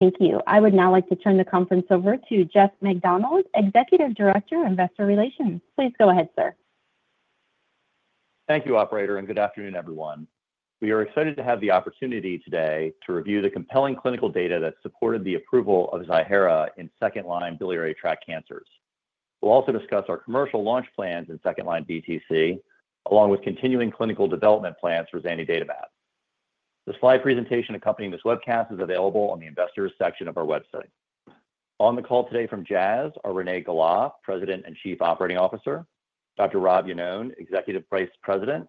Thank you. I would now like to turn the conference over to Jeff McDonald, Executive Director, Investor Relations. Please go ahead, sir. Thank you, Operator, and good afternoon, everyone. We are excited to have the opportunity today to review the compelling clinical data that supported the approval of Ziihera in second-line biliary tract cancers. We'll also discuss our commercial launch plans in second-line BTC, along with continuing clinical development plans for zanidatamab. The slide presentation accompanying this webcast is available on the Investors section of our website. On the call today from Jazz are Renée Galá, President and Chief Operating Officer. Dr. Rob Iannone, Executive Vice President,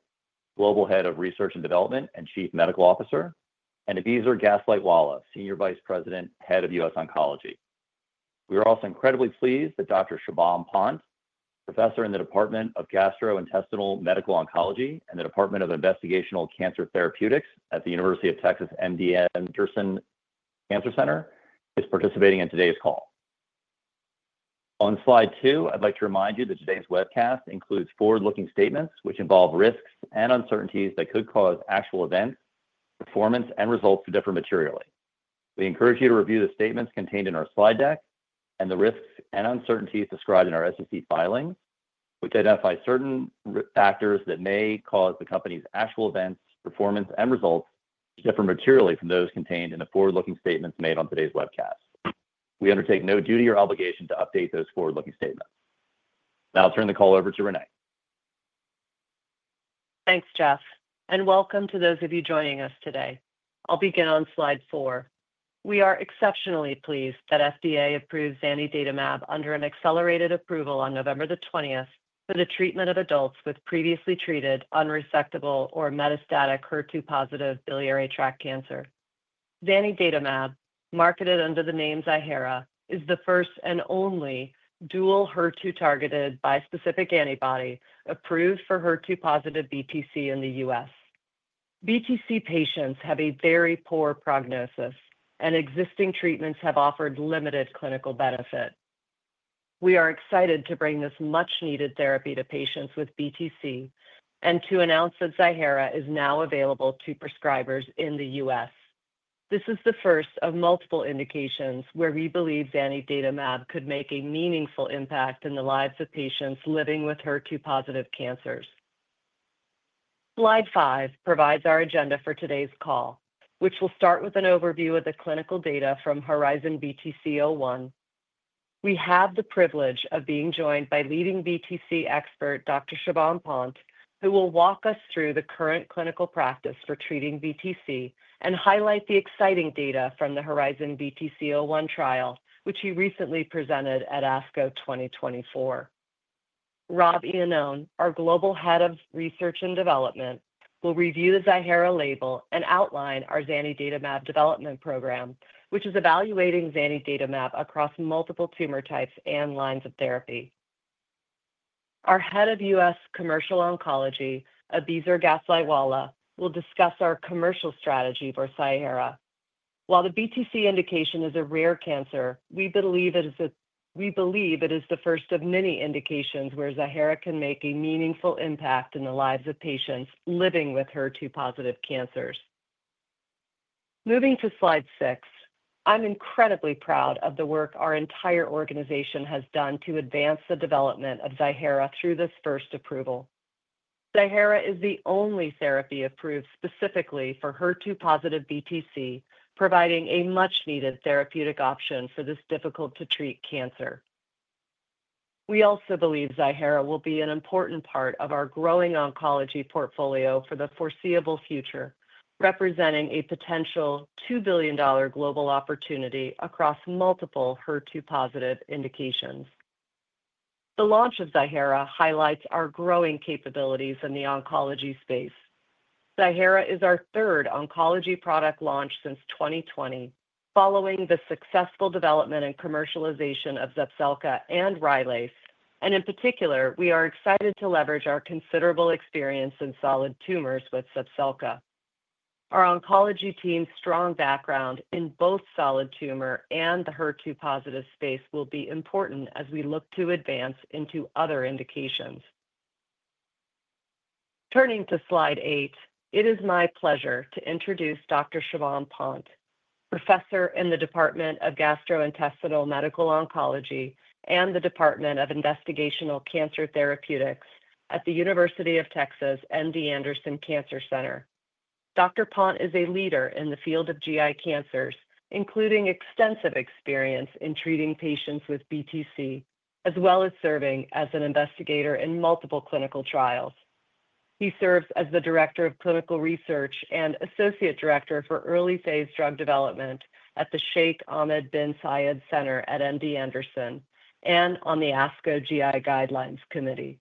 Global Head of Research and Development and Chief Medical Officer. And Abizar Gaslightwala, Senior Vice President, Head of U.S. Oncology. We are also incredibly pleased that Dr. Shubham Pant, Professor in the Department of Gastrointestinal Medical Oncology and the Department of Investigational Cancer Therapeutics at the University of Texas MD Anderson Cancer Center, is participating in today's call. On slide two, I'd like to remind you that today's webcast includes forward-looking statements which involve risks and uncertainties that could cause actual events, performance, and results to differ materially. We encourage you to review the statements contained in our slide deck and the risks and uncertainties described in our SEC filings, which identify certain factors that may cause the company's actual events, performance, and results to differ materially from those contained in the forward-looking statements made on today's webcast. We undertake no duty or obligation to update those forward-looking statements. Now I'll turn the call over to Renée. Thanks, Jeff, and welcome to those of you joining us today. I'll begin on slide four. We are exceptionally pleased that FDA approved zanidatamab under an accelerated approval on November the 20th for the treatment of adults with previously treated unresectable or metastatic HER2-positive biliary tract cancer. Zanidatamab, marketed under the name Ziihera, is the first and only dual HER2-targeted bispecific antibody approved for HER2-positive BTC in the U.S. BTC patients have a very poor prognosis, and existing treatments have offered limited clinical benefit. We are excited to bring this much-needed therapy to patients with BTC and to announce that Ziihera is now available to prescribers in the U.S. This is the first of multiple indications where we believe zanidatamab could make a meaningful impact in the lives of patients living with HER2-positive cancers. Slide five provides our agenda for today's call, which will start with an overview of the clinical data from HERIZON-BTC-01. We have the privilege of being joined by leading BTC expert, Dr. Shubham Pant, who will walk us through the current clinical practice for treating BTC and highlight the exciting data from the HERIZON-BTC-01 trial, which he recently presented at ASCO 2024. Rob Iannone, our Global Head of Research and Development, will review the Ziihera label and outline our zanidatamab development program, which is evaluating zanidatamab across multiple tumor types and lines of therapy. Our Head of U.S. Commercial Oncology, Abizar Gaslightwala, will discuss our commercial strategy for Ziihera. While the BTC indication is a rare cancer, we believe it is the first of many indications where Ziihera can make a meaningful impact in the lives of patients living with HER2-positive cancers. Moving to slide six, I'm incredibly proud of the work our entire organization has done to advance the development of Ziihera through this first approval. Ziihera is the only therapy approved specifically for HER2-positive BTC, providing a much-needed therapeutic option for this difficult-to-treat cancer. We also believe Ziihera will be an important part of our growing oncology portfolio for the foreseeable future, representing a potential $2 billion global opportunity across multiple HER2-positive indications. The launch of Ziihera highlights our growing capabilities in the oncology space. Ziihera is our third oncology product launch since 2020, following the successful development and commercialization of Zepzelca and Rylaze, and in particular, we are excited to leverage our considerable experience in solid tumors with Zepzelca. Our oncology team's strong background in both solid tumor and the HER2-positive space will be important as we look to advance into other indications. Turning to slide eight, it is my pleasure to introduce Dr. Shubham Pant, Professor in the Department of Gastrointestinal Medical Oncology and the Department of Investigational Cancer Therapeutics at the University of Texas MD Anderson Cancer Center. Dr. Pant is a leader in the field of GI cancers, including extensive experience in treating patients with BTC, as well as serving as an investigator in multiple clinical trials. He serves as the Director of Clinical Research and Associate Director for Early Phase Drug Development at the Sheikh Ahmed Bin Zayed Center at MD Anderson and on the ASCO GI Guidelines Committee.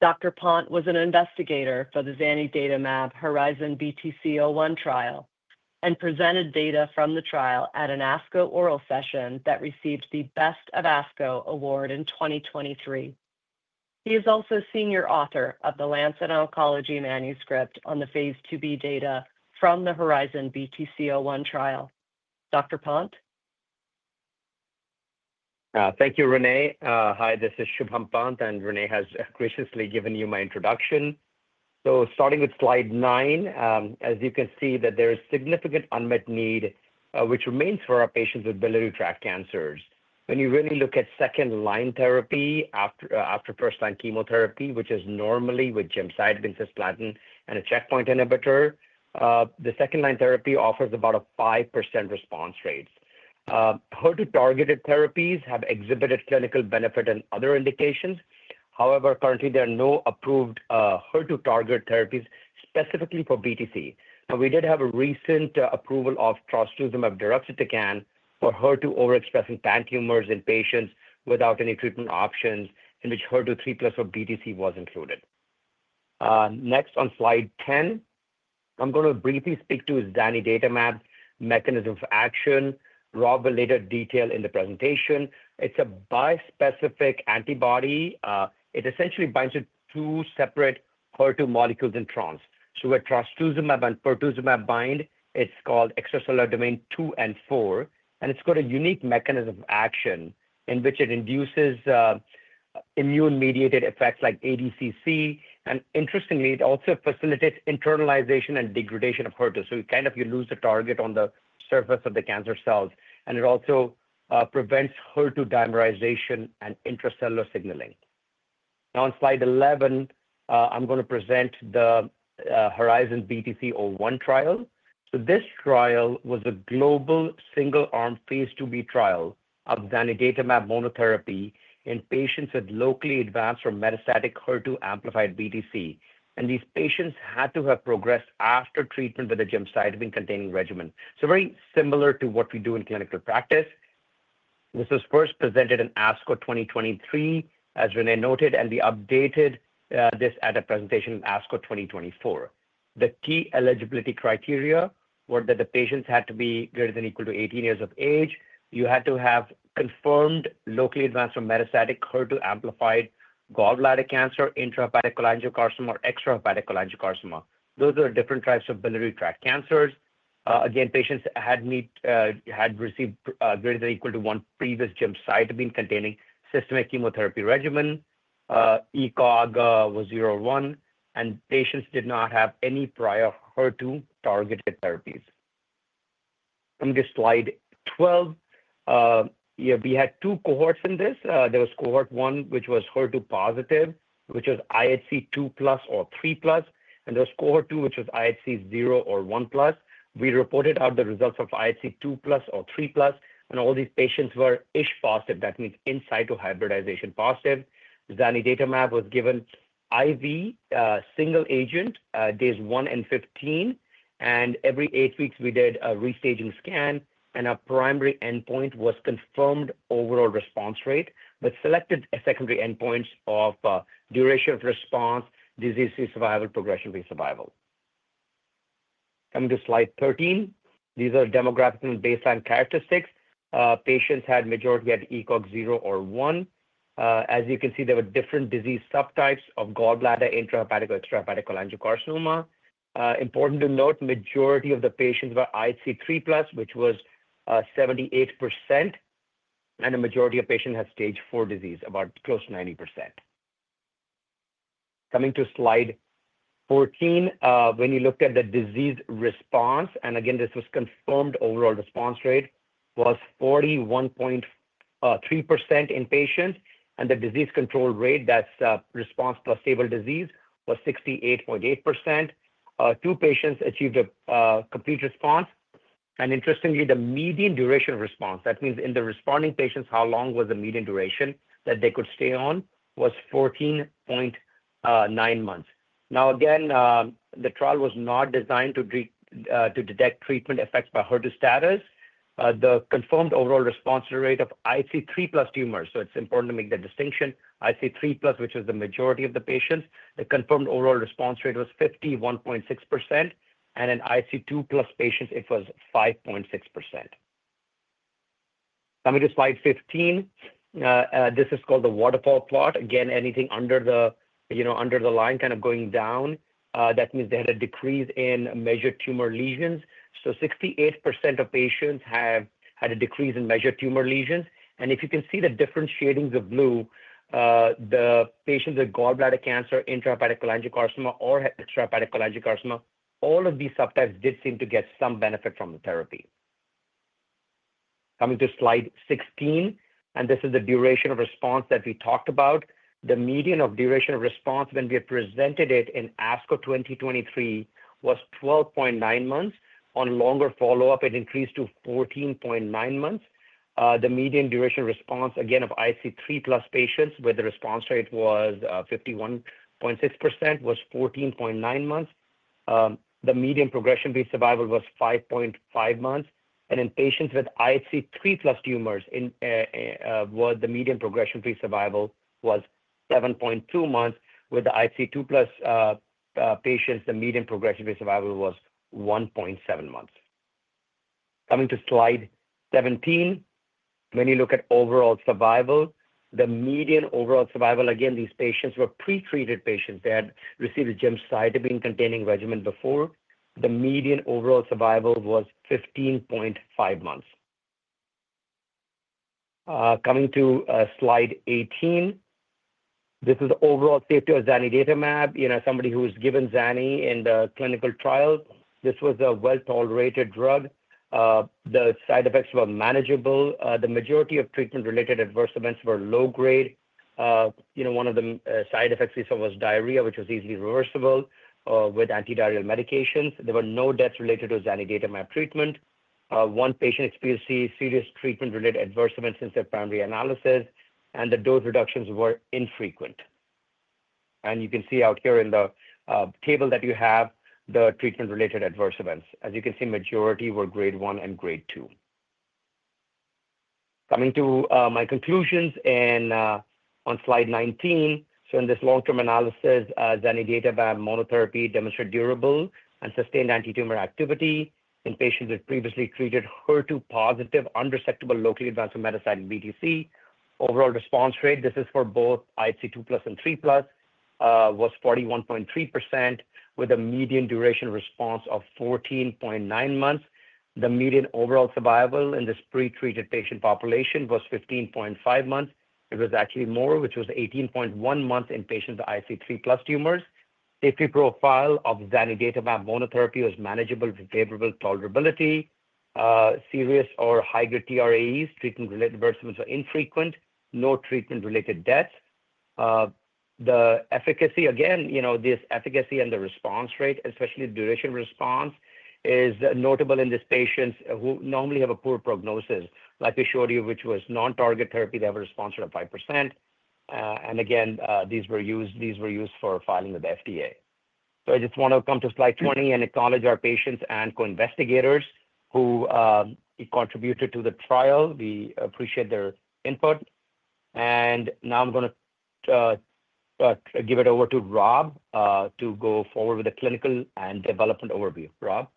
Dr. Pant was an investigator for the zanidatamab HERIZON-BTC-01 trial and presented data from the trial at an ASCO oral session that received the Best of ASCO Award in 2023. He is also senior author of the Lancet Oncology manuscript on the phase IIb data from the HERIZON- BTC-01 trial. Dr. Pant? Thank you, Renée. Hi, this is Shubham Pant, and Renée has graciously given you my introduction. So starting with slide nine, as you can see, there is significant unmet need which remains for our patients with biliary tract cancers. When you really look at second-line therapy after first-line chemotherapy, which is normally with gemcitabine, cisplatin, and a checkpoint inhibitor, the second-line therapy offers about a 5% response rate. HER2-targeted therapies have exhibited clinical benefit in other indications. However, currently, there are no approved HER2-targeted therapies specifically for BTC. We did have a recent approval of trastuzumab deruxtecan for HER2 overexpressing pan-tumors in patients without any treatment options, in which HER2 3+ for BTC was included. Next, on slide 10, I'm going to briefly speak to zanidatamab mechanism of action, Rob will later detail in the presentation. It's a bispecific antibody. It essentially binds to two separate HER2 molecules in trans, so where trastuzumab and pertuzumab bind, it's called extracellular domain II and IV, and it's got a unique mechanism of action in which it induces immune-mediated effects like ADCC, and interestingly, it also facilitates internalization and degradation of HER2, so you kind of lose the target on the surface of the cancer cells, and it also prevents HER2 dimerization and intracellular signaling. Now, on slide 11, I'm going to present the HERIZON-BTC-01 trial, so this trial was a global single-armed phase IIb trial of zanidatamab monotherapy in patients with locally advanced or metastatic HER2-amplified BTC, and these patients had to have progressed after treatment with a gemcitabine-containing regimen, so very similar to what we do in clinical practice. This was first presented in ASCO 2023, as Renée noted, and we updated this at a presentation in ASCO 2024. The key eligibility criteria were that the patients had to be greater than or equal to 18 years of age. You had to have confirmed locally advanced or metastatic HER2-amplified gallbladder cancer, intrahepatic cholangiocarcinoma, or extrahepatic cholangiocarcinoma. Those are different types of biliary tract cancers. Again, patients had received greater than or equal to one previous gemcitabine-containing systemic chemotherapy regimen. ECOG was 0-1, and patients did not have any prior HER2-targeted therapies. Coming to slide 12, we had two cohorts in this. There was cohort one, which was HER2-positive, which was IHC2+ or 3+, and there was cohort two, which was IHC0 or 1+. We reported out the results of IHC2+ or 3+, and all these patients were ISH positive. That means in situ hybridization positive. Zanidatamab was given IV single agent days one and 15, and every eight weeks, we did a restaging scan, and our primary endpoint was confirmed overall response rate, but selected secondary endpoints of duration of response, disease-free survival, progression-free survival. Coming to slide 13, these are demographic and baseline characteristics. Patients majority had ECOG 0 or 1. As you can see, there were different disease subtypes of gallbladder, intrahepatic, or extrahepatic cholangiocarcinoma. Important to note, the majority of the patients were IHC3+, which was 78%, and the majority of patients had stage IV disease, about close to 90%. Coming to slide 14, when you looked at the disease response, and again, this was confirmed overall response rate, was 41.3% in patients, and the disease control rate, that's response plus stable disease, was 68.8%. Two patients achieved a complete response, and interestingly, the median duration of response, that means in the responding patients, how long was the median duration that they could stay on, was 14.9 months. Now, again, the trial was not designed to detect treatment effects by HER2 status. The confirmed overall response rate of IHC3+ tumors, so it's important to make the distinction, IHC3+, which was the majority of the patients, the confirmed overall response rate was 51.6%, and in IHC2+ patients, it was 5.6%. Coming to slide 15, this is called the waterfall plot. Again, anything under the line kind of going down, that means they had a decrease in measured tumor lesions. So 68% of patients had a decrease in measured tumor lesions. And if you can see the different shadings of blue, the patients with gallbladder cancer, intrahepatic cholangiocarcinoma, or extrahepatic cholangiocarcinoma, all of these subtypes did seem to get some benefit from the therapy. Coming to slide 16, and this is the duration of response that we talked about. The median of duration of response when we presented it in ASCO 2023 was 12.9 months. On longer follow-up, it increased to 14.9 months. The median duration of response, again, of IHC3+ patients where the response rate was 51.6% was 14.9 months. The median progression-free survival was 5.5 months. And in patients with IHC3+ tumors, the median progression-free survival was 7.2 months. With the IHC2+ patients, the median progression-free survival was 1.7 months. Coming to slide 17, when you look at overall survival, the median overall survival, again, these patients were pretreated patients. They had received a gemcitabine-containing regimen before. The median overall survival was 15.5 months. Coming to slide 18, this is overall safety of zanidatamab. Somebody who was given zanidatamab in the clinical trial, this was a well-tolerated drug. The side effects were manageable. The majority of treatment-related adverse events were low-grade. One of the side effects we saw was diarrhea, which was easily reversible with antidiarrheal medications. There were no deaths related to zanidatamab treatment. One patient experienced serious treatment-related adverse events since their primary analysis, and the dose reductions were infrequent, and you can see out here in the table that you have the treatment-related adverse events. As you can see, the majority were grade I and grade II. Coming to my conclusions on slide 19. In this long-term analysis, zanidatamab monotherapy demonstrated durable and sustained anti-tumor activity in patients with previously treated HER2-positive, unresectable, locally advanced metastatic BTC. Overall response rate, this is for both IHC2+ and 3+, was 41.3% with a median duration response of 14.9 months. The median overall survival in this pretreated patient population was 15.5 months. It was actually more, which was 18.1 months in patients with IHC3+ tumors. Safety profile of zanidatamab monotherapy was manageable with favorable tolerability. Serious or high-grade TRAEs, treatment-related adverse events, were infrequent. No treatment-related deaths. The efficacy, again, this efficacy and the response rate, especially duration of response, is notable in these patients who normally have a poor prognosis. Like I showed you, which was non-target therapy, they have a response rate of 5%. And again, these were used for filing with the FDA. So I just want to come to slide 20 and acknowledge our patients and co-investigators who contributed to the trial. We appreciate their input. Now I'm going to give it over to Rob to go forward with the clinical and development overview. Rob?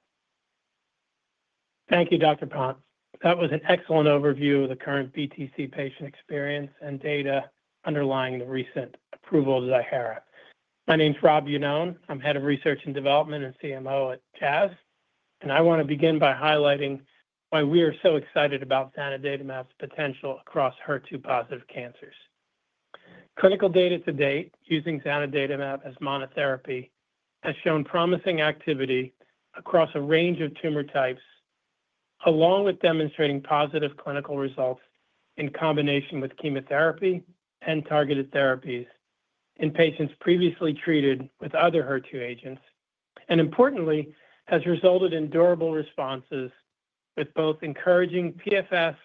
Thank you, Dr. Pant. That was an excellent overview of the current BTC patient experience and data underlying the recent approval of Ziihera. My name's Rob Iannone. I'm head of research and development and CMO at Jazz, and I want to begin by highlighting why we are so excited about zanidatamab's potential across HER2-positive cancers. Clinical data to date using zanidatamab as monotherapy has shown promising activity across a range of tumor types, along with demonstrating positive clinical results in combination with chemotherapy and targeted therapies in patients previously treated with other HER2 agents, and importantly, has resulted in durable responses with both encouraging PFS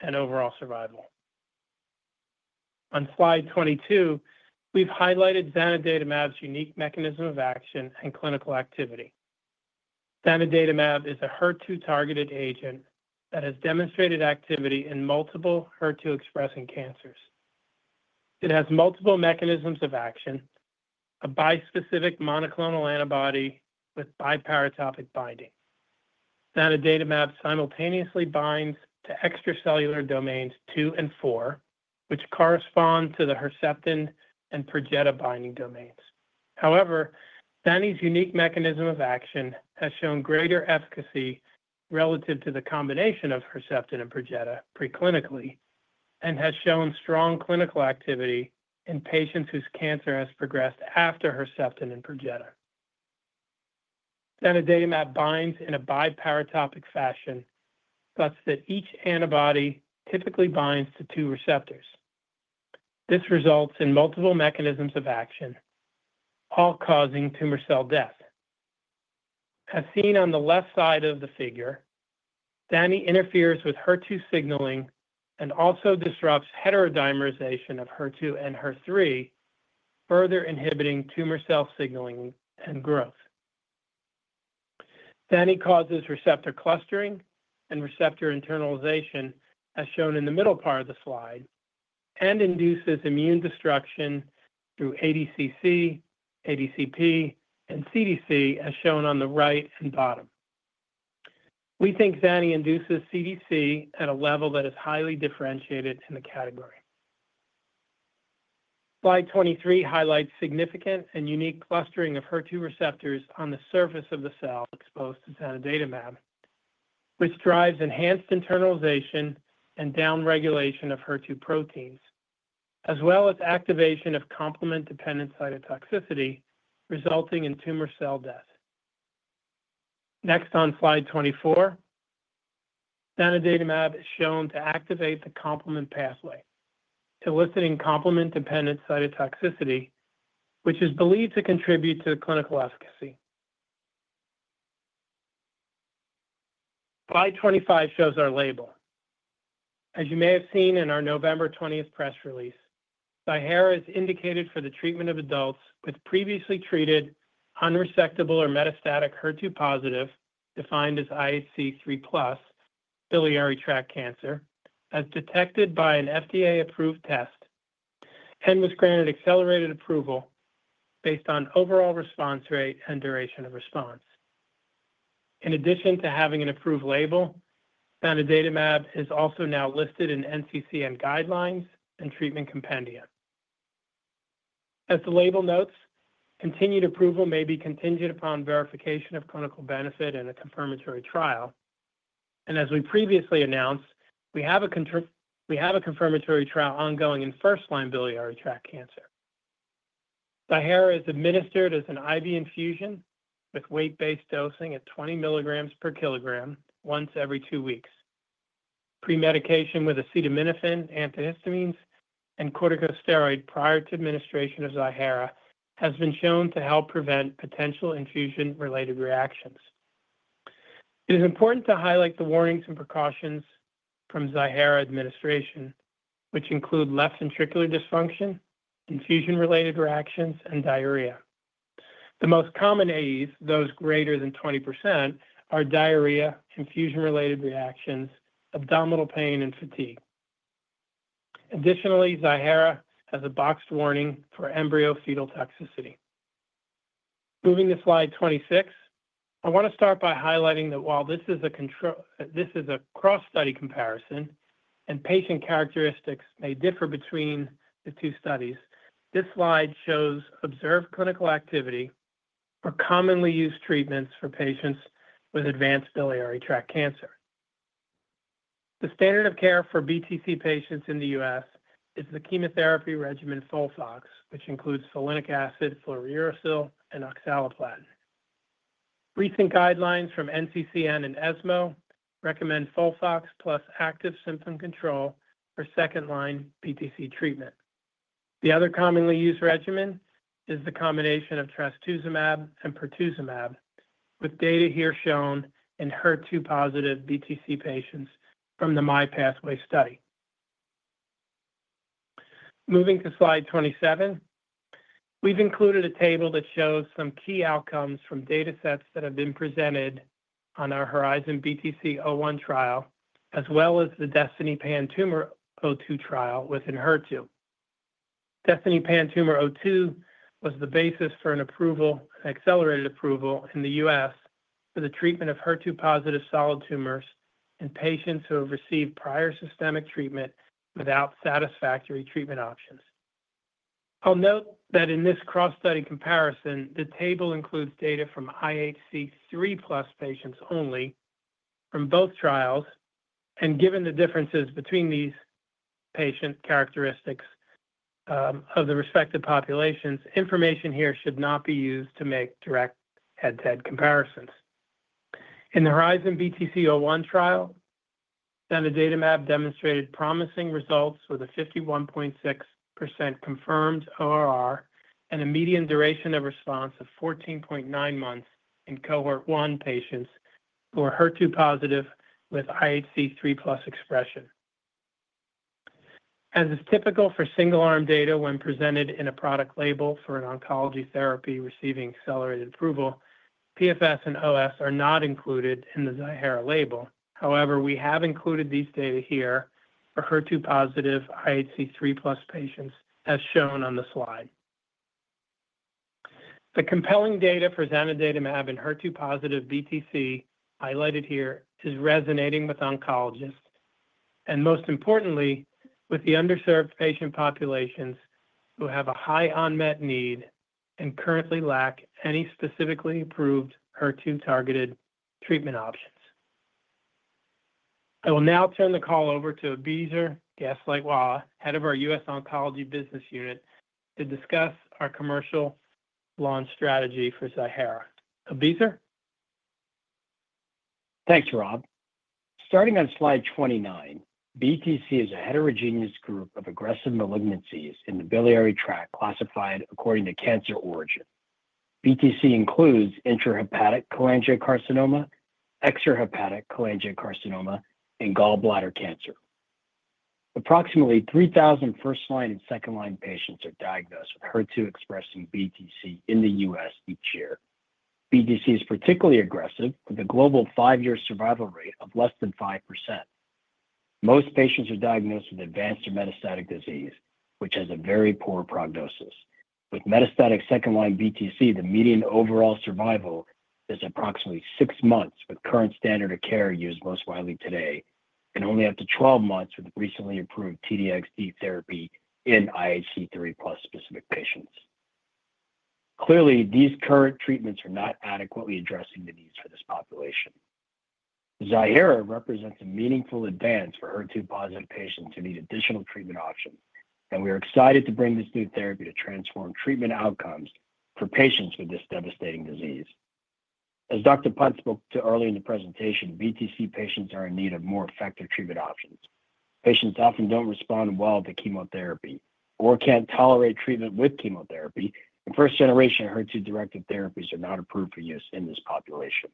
and overall survival. On slide 22, we've highlighted zanidatamab's unique mechanism of action and clinical activity. Zanidatamab is a HER2-targeted agent that has demonstrated activity in multiple HER2-expressing cancers. It has multiple mechanisms of action, a bispecific monoclonal antibody with biparatopic binding. Zanidatamab simultaneously binds to extracellular domains II and IV, which correspond to the Herceptin and Perjeta binding domains. However, zanidatamab's unique mechanism of action has shown greater efficacy relative to the combination of Herceptin and Perjeta preclinically and has shown strong clinical activity in patients whose cancer has progressed after Herceptin and Perjeta. Zanidatamab binds in a biparatopic fashion, such that each antibody typically binds to two receptors. This results in multiple mechanisms of action, all causing tumor cell death. As seen on the left side of the figure, zanidatamab interferes with HER2 signaling and also disrupts heterodimerization of HER2 and HER3, further inhibiting tumor cell signaling and growth. Zanidatamab causes receptor clustering and receptor internalization, as shown in the middle part of the slide, and induces immune destruction through ADCC, ADCP, and CDC, as shown on the right and bottom. We think zanidatamab induces CDC at a level that is highly differentiated in the category. Slide 23 highlights significant and unique clustering of HER2 receptors on the surface of the cell exposed to zanidatamab, which drives enhanced internalization and downregulation of HER2 proteins, as well as activation of complement-dependent cytotoxicity, resulting in tumor cell death. Next, on slide 24, zanidatamab is shown to activate the complement pathway, eliciting complement-dependent cytotoxicity, which is believed to contribute to the clinical efficacy. Slide 25 shows our label. As you may have seen in our November 20th press release, Ziihera is indicated for the treatment of adults with previously treated unresectable or metastatic HER2-positive, defined as IHC3+ biliary tract cancer, as detected by an FDA-approved test, and was granted accelerated approval based on overall response rate and duration of response. In addition to having an approved label, zanidatamab is also now listed in NCCN Guidelines and Treatment Compendia. As the label notes, continued approval may be contingent upon verification of clinical benefit in a confirmatory trial. And as we previously announced, we have a confirmatory trial ongoing in first-line biliary tract cancer. Ziihera is administered as an IV infusion with weight-based dosing at 20 milligrams per kilogram once every two weeks. Premedication with acetaminophen, antihistamines, and corticosteroid prior to administration of Ziihera has been shown to help prevent potential infusion-related reactions. It is important to highlight the warnings and precautions from Ziihera administration, which include left ventricular dysfunction, infusion-related reactions, and diarrhea. The most common AEs, those greater than 20%, are diarrhea, infusion-related reactions, abdominal pain, and fatigue. Additionally, Ziihera has a boxed warning for embryo-fetal toxicity. Moving to slide 26, I want to start by highlighting that while this is a cross-study comparison and patient characteristics may differ between the two studies, this slide shows observed clinical activity for commonly used treatments for patients with advanced biliary tract cancer. The standard of care for BTC patients in the U.S. is the chemotherapy regimen FOLFOX, which includes folinic acid, fluorouracil, and oxaliplatin. Recent guidelines from NCCN and ESMO recommend FOLFOX plus active symptom control for second-line BTC treatment. The other commonly used regimen is the combination of trastuzumab and pertuzumab, with data here shown in HER2-positive BTC patients from the MyPathway study. Moving to slide 27, we've included a table that shows some key outcomes from data sets that have been presented on our HERIZON-BTC-01 trial, as well as the DESTINY-PanTumor02 trial within HER2. DESTINY-PanTumor02 was the basis for an accelerated approval in the U.S. for the treatment of HER2-positive solid tumors in patients who have received prior systemic treatment without satisfactory treatment options. I'll note that in this cross-study comparison, the table includes data from IHC3+ patients only from both trials. Given the differences between these patient characteristics of the respective populations, information here should not be used to make direct head-to-head comparisons. In the HERIZON- BTC-01 trial, zanidatamab demonstrated promising results with a 51.6% confirmed ORR and a median duration of response of 14.9 months in cohort one patients who are HER2-positive with IHC3+ expression. As is typical for single-arm data when presented in a product label for an oncology therapy receiving accelerated approval, PFS and OS are not included in the Ziihera label. However, we have included these data here for HER2-positive IHC3+ patients, as shown on the slide. The compelling data for zanidatamab in HER2-positive BTC highlighted here is resonating with oncologists, and most importantly, with the underserved patient populations who have a high unmet need and currently lack any specifically approved HER2-targeted treatment options. I will now turn the call over to Abizar Gaslightwala, head of our U.S. Oncology Business Unit, to discuss our commercial launch strategy for Ziihera. Abizar? Thanks, Rob. Starting on slide 29, BTC is a heterogeneous group of aggressive malignancies in the biliary tract classified according to cancer origin. BTC includes intrahepatic cholangiocarcinoma, extrahepatic cholangiocarcinoma, and gallbladder cancer. Approximately 3,000 first-line and second-line patients are diagnosed with HER2-expressing BTC in the U.S. each year. BTC is particularly aggressive with a global five-year survival rate of less than 5%. Most patients are diagnosed with advanced or metastatic disease, which has a very poor prognosis. With metastatic second-line BTC, the median overall survival is approximately six months with current standard of care used most widely today, and only up to 12 months with recently approved T-DXd therapy in IHC3+ specific patients. Clearly, these current treatments are not adequately addressing the needs for this population. Ziihera represents a meaningful advance for HER2-positive patients who need additional treatment options, and we are excited to bring this new therapy to transform treatment outcomes for patients with this devastating disease. As Dr. Pant spoke to early in the presentation, BTC patients are in need of more effective treatment options. Patients often don't respond well to chemotherapy or can't tolerate treatment with chemotherapy, and first-generation HER2-directed therapies are not approved for use in this population.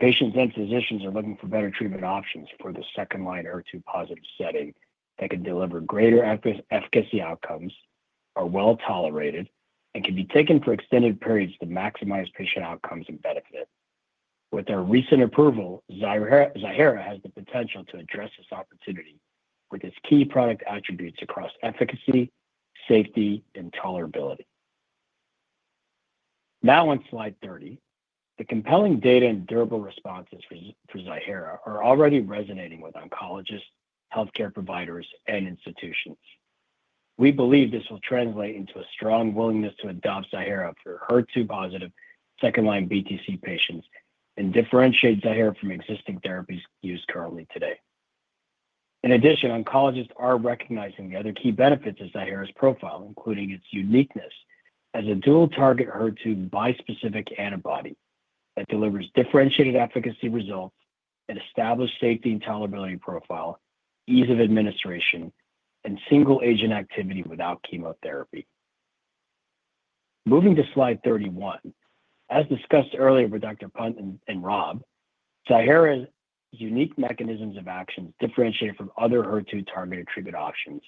Patients and physicians are looking for better treatment options for the second-line HER2-positive setting that can deliver greater efficacy outcomes, are well tolerated, and can be taken for extended periods to maximize patient outcomes and benefit. With our recent approval, Ziihera has the potential to address this opportunity with its key product attributes across efficacy, safety, and tolerability. Now on slide 30, the compelling data and durable responses for Ziihera are already resonating with oncologists, healthcare providers, and institutions. We believe this will translate into a strong willingness to adopt Ziihera for HER2-positive second-line BTC patients and differentiate Ziihera from existing therapies used currently today. In addition, oncologists are recognizing the other key benefits of Ziihera's profile, including its uniqueness as a dual-target HER2 bispecific antibody that delivers differentiated efficacy results and established safety and tolerability profile, ease of administration, and single-agent activity without chemotherapy. Moving to slide 31, as discussed earlier by Dr. Pant and Rob, Ziihera's unique mechanisms of action differentiate from other HER2-targeted treatment options.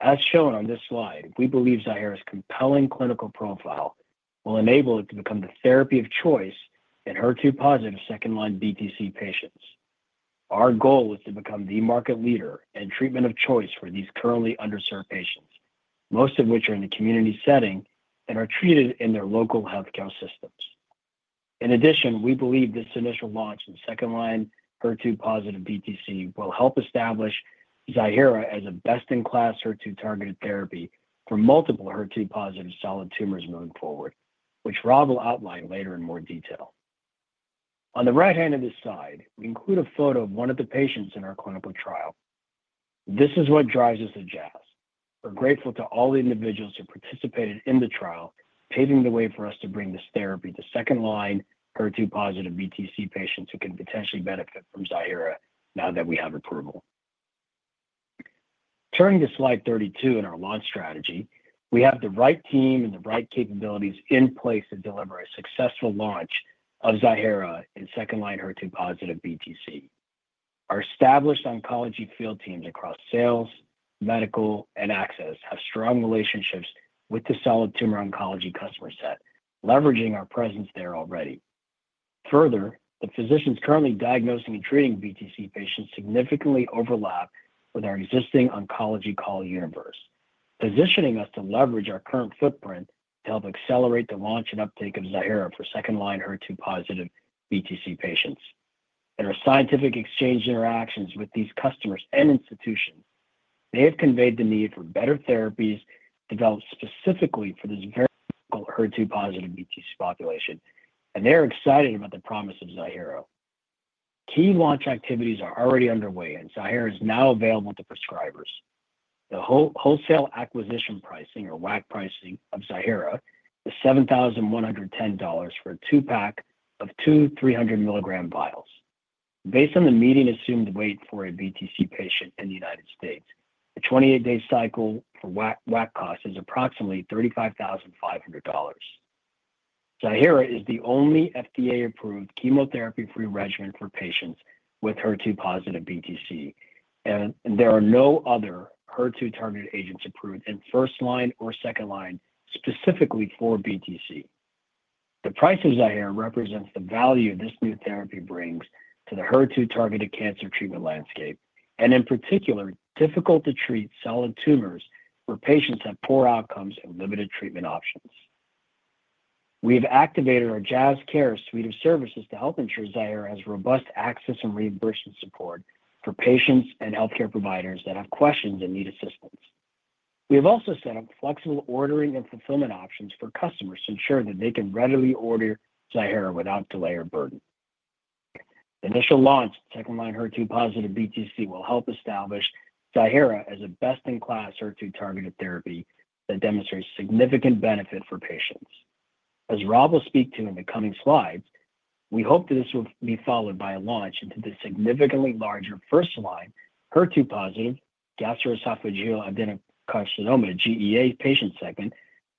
As shown on this slide, we believe Ziihera's compelling clinical profile will enable it to become the therapy of choice in HER2-positive second-line BTC patients. Our goal is to become the market leader and treatment of choice for these currently underserved patients, most of which are in the community setting and are treated in their local healthcare systems. In addition, we believe this initial launch in second-line HER2-positive BTC will help establish Ziihera as a best-in-class HER2-targeted therapy for multiple HER2-positive solid tumors moving forward, which Rob will outline later in more detail. On the right-hand of this slide, we include a photo of one of the patients in our clinical trial. This is what drives us to Jazz. We're grateful to all the individuals who participated in the trial, paving the way for us to bring this therapy to second-line HER2-positive BTC patients who can potentially benefit from Ziihera now that we have approval. Turning to slide 32 in our launch strategy, we have the right team and the right capabilities in place to deliver a successful launch of Ziihera in second-line HER2-positive BTC. Our established oncology field teams across sales, medical, and access have strong relationships with the solid tumor oncology customer set, leveraging our presence there already. Further, the physicians currently diagnosing and treating BTC patients significantly overlap with our existing oncology call universe, positioning us to leverage our current footprint to help accelerate the launch and uptake of Ziihera for second-line HER2-positive BTC patients. In our scientific exchange interactions with these customers and institutions, they have conveyed the need for better therapies developed specifically for this very critical HER2-positive BTC population, and they are excited about the promise of Ziihera. Key launch activities are already underway, and Ziihera is now available to prescribers. The wholesale acquisition cost, or WAC, of Ziihera is $7,110 for a two-pack of two 300 milligram vials. Based on the median assumed weight for a BTC patient in the United States, the 28-day cycle for WAC cost is approximately $35,500. Ziihera is the only FDA-approved chemotherapy-free regimen for patients with HER2-positive BTC, and there are no other HER2-targeted agents approved in first-line or second-line specifically for BTC. The price of Ziihera represents the value this new therapy brings to the HER2-targeted cancer treatment landscape, and in particular, difficult-to-treat solid tumors where patients have poor outcomes and limited treatment options. We have activated our Jazz Care suite of services to help ensure Ziihera has robust access and reimbursement support for patients and healthcare providers that have questions and need assistance. We have also set up flexible ordering and fulfillment options for customers to ensure that they can readily order Ziihera without delay or burden. Initial launch of second-line HER2-positive BTC will help establish Ziihera as a best-in-class HER2-targeted therapy that demonstrates significant benefit for patients. As Rob will speak to in the coming slides, we hope that this will be followed by a launch into the significantly larger first-line HER2-positive gastroesophageal adenocarcinoma, GEA, patient segment,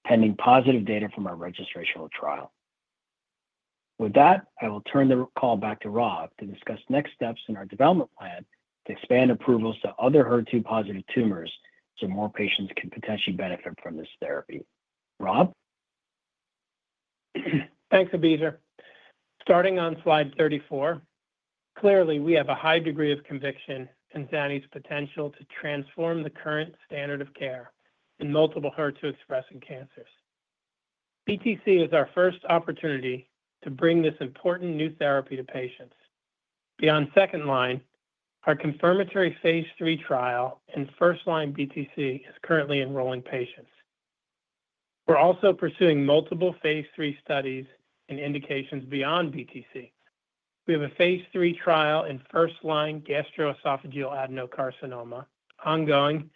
pending positive data from our registration trial. With that, I will turn the call back to Rob to discuss next steps in our development plan to expand approvals to other HER2-positive tumors so more patients can potentially benefit from this therapy. Rob? Thanks, Abizar. Starting on slide 34, clearly, we have a high degree of conviction in Ziihera's potential to transform the current standard of care in multiple HER2-expressing cancers. BTC is our first opportunity to bring this important new therapy to patients. Beyond second-line, our confirmatory phase 3 trial in first-line BTC is currently enrolling patients. We're also pursuing multiple phase 3 studies and indications beyond BTC. We have a phase 3 trial in first-line gastroesophageal adenocarcinoma ongoing,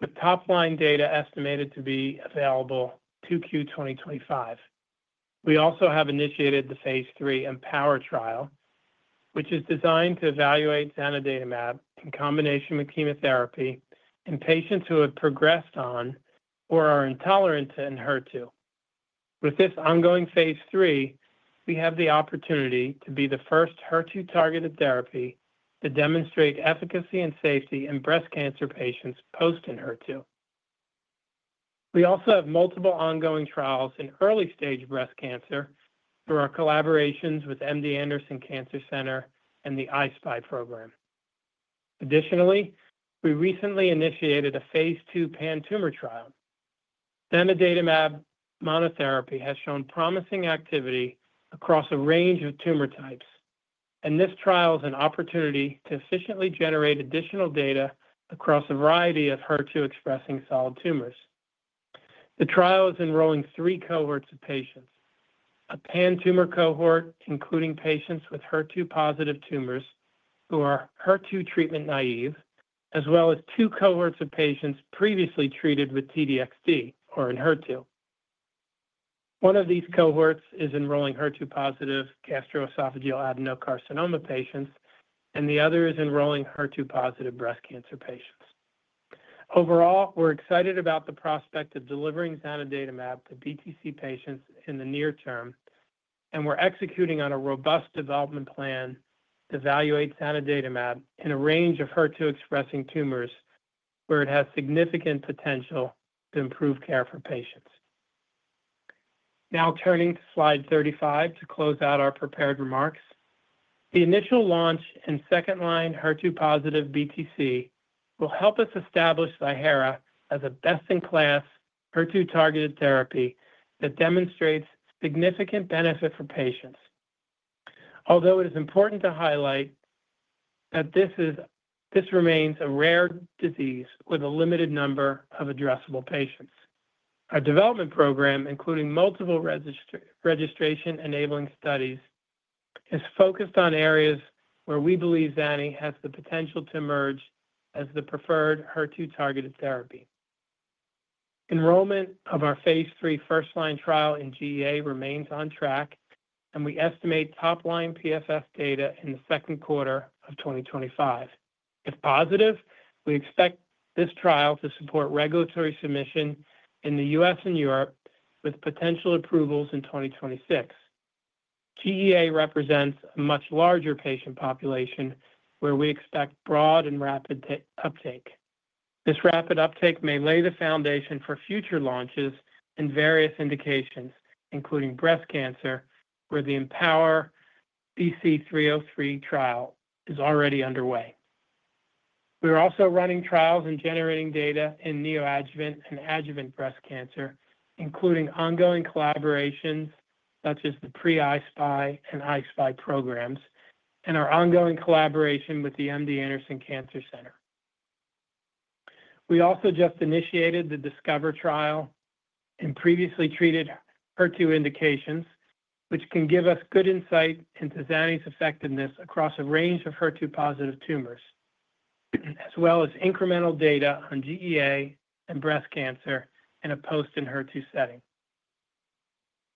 with top-line data estimated to be available Q2 2025. We also have initiated the phase 3 EMPOWER trial, which is designed to evaluate zanidatamab in combination with chemotherapy in patients who have progressed on or are intolerant to Enhertu. With this ongoing phase 3, we have the opportunity to be the first HER2-targeted therapy to demonstrate efficacy and safety in breast cancer patients post-Enhertu. We also have multiple ongoing trials in early-stage breast cancer through our collaborations with MD Anderson Cancer Center and the I-SPY program. Additionally, we recently initiated a phase 2 pan-tumor trial. Zanidatamab monotherapy has shown promising activity across a range of tumor types, and this trial is an opportunity to efficiently generate additional data across a variety of HER2-expressing solid tumors. The trial is enrolling three cohorts of patients: a pan-tumor cohort, including patients with HER2-positive tumors who are HER2 treatment naive, as well as two cohorts of patients previously treated with T-DXd or Enhertu. One of these cohorts is enrolling HER2-positive gastroesophageal adenocarcinoma patients, and the other is enrolling HER2-positive breast cancer patients. Overall, we're excited about the prospect of delivering zanidatamab to BTC patients in the near term, and we're executing on a robust development plan to evaluate zanidatamab in a range of HER2-expressing tumors where it has significant potential to improve care for patients. Now turning to slide 35 to close out our prepared remarks. The initial launch in second-line HER2-positive BTC will help us establish Ziihera as a best-in-class HER2-targeted therapy that demonstrates significant benefit for patients. Although it is important to highlight that this remains a rare disease with a limited number of addressable patients, our development program, including multiple registration-enabling studies, is focused on areas where we believe zanidatamab has the potential to emerge as the preferred HER2-targeted therapy. Enrollment of our phase 3 first-line trial in GEA remains on track, and we estimate top-line PFS data in the second quarter of 2025. If positive, we expect this trial to support regulatory submission in the U.S. and Europe, with potential approvals in 2026. GEA represents a much larger patient population where we expect broad and rapid uptake. This rapid uptake may lay the foundation for future launches in various indications, including breast cancer, where the EMPOWER BC303 trial is already underway. We are also running trials and generating data in neoadjuvant and adjuvant breast cancer, including ongoing collaborations such as the pre-I-SPY and I-SPY programs, and our ongoing collaboration with the MD Anderson Cancer Center. We also just initiated the DISCOVER trial in previously treated HER2 indications, which can give us good insight into zanidatamab's effectiveness across a range of HER2-positive tumors, as well as incremental data on GEA and breast cancer in a post-Enhertu setting.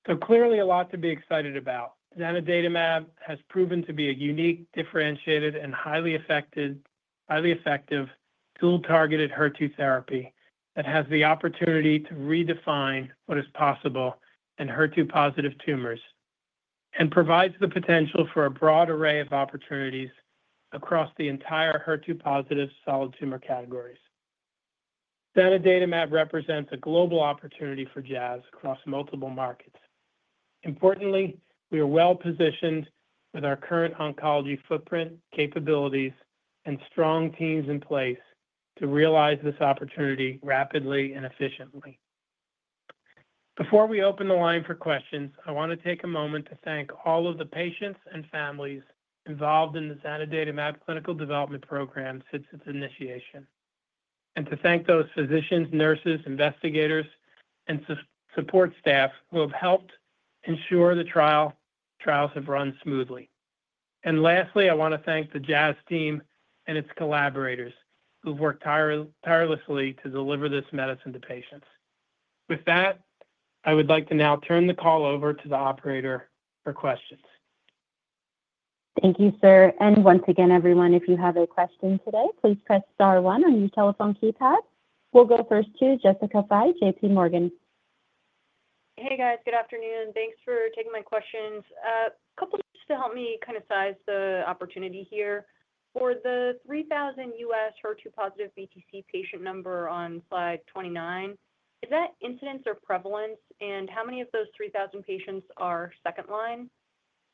So clearly, a lot to be excited about. Zanidatamab has proven to be a unique, differentiated, and highly effective dual-targeted HER2 therapy that has the opportunity to redefine what is possible in HER2-positive tumors and provides the potential for a broad array of opportunities across the entire HER2-positive solid tumor categories. Zanidatamab represents a global opportunity for Jazz across multiple markets. Importantly, we are well positioned with our current oncology footprint, capabilities, and strong teams in place to realize this opportunity rapidly and efficiently. Before we open the line for questions, I want to take a moment to thank all of the patients and families involved in the zanidatamab clinical development program since its initiation, and to thank those physicians, nurses, investigators, and support staff who have helped ensure the trials have run smoothly, and lastly, I want to thank the Jazz team and its collaborators who have worked tirelessly to deliver this medicine to patients. With that, I would like to now turn the call over to the operator for questions. Thank you, sir, and once again, everyone, if you have a question today, please press star one on your telephone keypad. We'll go first to Jessica Fye, J.P. Morgan. Hey, guys. Good afternoon. Thanks for taking my questions. A couple of things to help me kind of size the opportunity here. For the 3,000 U.S. HER2-positive BTC patient number on slide 29, is that incidence or prevalence, and how many of those 3,000 patients are second-line?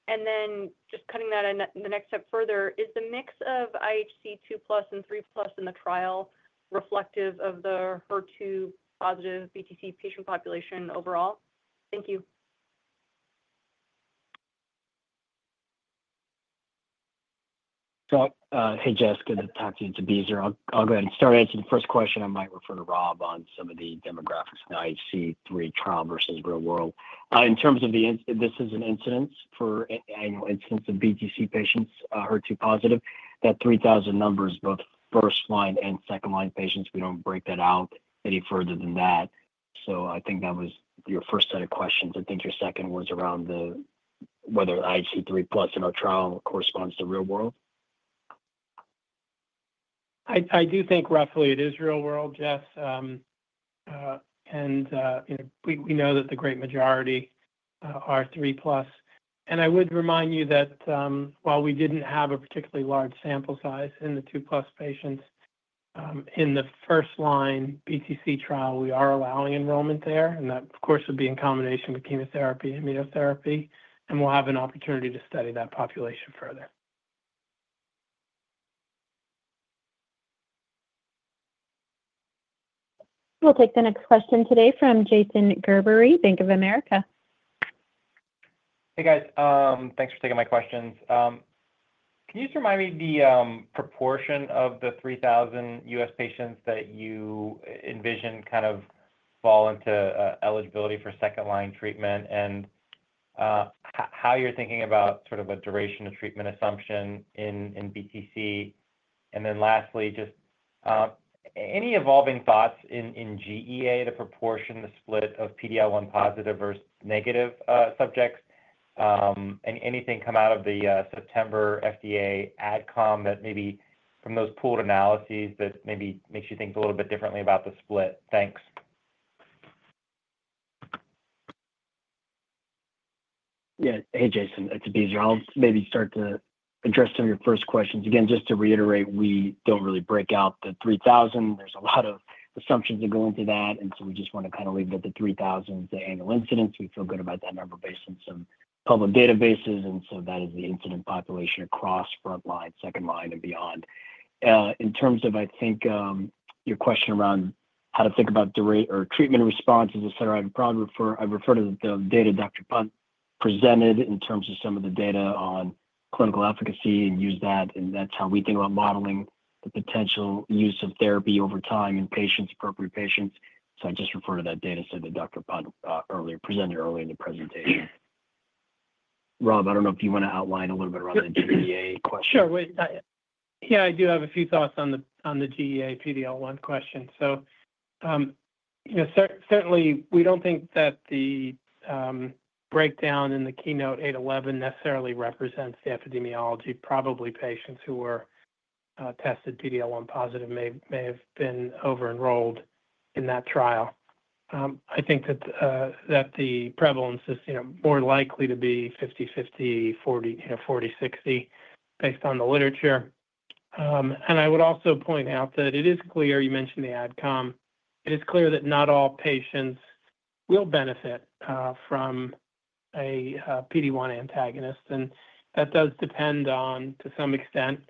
And then just cutting that the next step further, is the mix of IHC2+ and 3+ in the trial reflective of the HER2-positive BTC patient population overall? Thank you. So hey, Jessica, good to talk to you. It's Abizar. I'll go ahead and start answering the first question. I might refer to Rob on some of the demographics in the IHC3 trial versus real-world. In terms of the incidence, this is an incidence for annual incidence of BTC patients HER2-positive. That 3,000 number is both first-line and second-line patients. We don't break that out any further than that. So I think that was your first set of questions. I think your second was around whether IHC3+ in our trial corresponds to real-world. I do think roughly it is real-world, Jess. And we know that the great majority are 3+. And I would remind you that while we didn't have a particularly large sample size in the 2+ patients, in the first-line BTC trial, we are allowing enrollment there. And that, of course, would be in combination with chemotherapy and immunotherapy. And we'll have an opportunity to study that population further. We'll take the next question today from Jason Gerbery, Bank of America. Hey, guys. Thanks for taking my questions. Can you just remind me the proportion of the 3,000 U.S. patients that you envision kind of fall into eligibility for second-line treatment and how you're thinking about sort of a duration of treatment assumption in BTC? And then lastly, just any evolving thoughts in GEA to proportion the split of PD-L1 positive versus negative subjects? Anything come out of the September FDA adcom that maybe from those pooled analyses that maybe makes you think a little bit differently about the split? Thanks. Yeah. Hey, Jason. It's Abizar. I'll maybe start to address some of your first questions. Again, just to reiterate, we don't really break out the 3,000. There's a lot of assumptions that go into that. And so we just want to kind of leave it at the 3,000 as the annual incidence. We feel good about that number based on some public databases. And so that is the incidence population across front-line, second-line, and beyond. In terms of, I think, your question around how to think about treatment responses, et cetera, I'd probably refer to the data Dr. Pant presented in terms of some of the data on clinical efficacy and use that. And that's how we think about modeling the potential use of therapy over time in patients, appropriate patients. So I just refer to that data set that Dr. Pant presented earlier in the presentation. Rob, I don't know if you want to outline a little bit around the GEA question. Sure. Yeah, I do have a few thoughts on the GEA PD-L1 question. Certainly, we don't think that the breakdown in the KEYNOTE-811 necessarily represents the epidemiology. Probably patients who were tested PD-L1 positive may have been over-enrolled in that trial. I think that the prevalence is more likely to be 50/50, 40/60 based on the literature. And I would also point out that it is clear you mentioned the adcom. It is clear that not all patients will benefit from a PD-1 antagonist. And that does depend on, to some extent,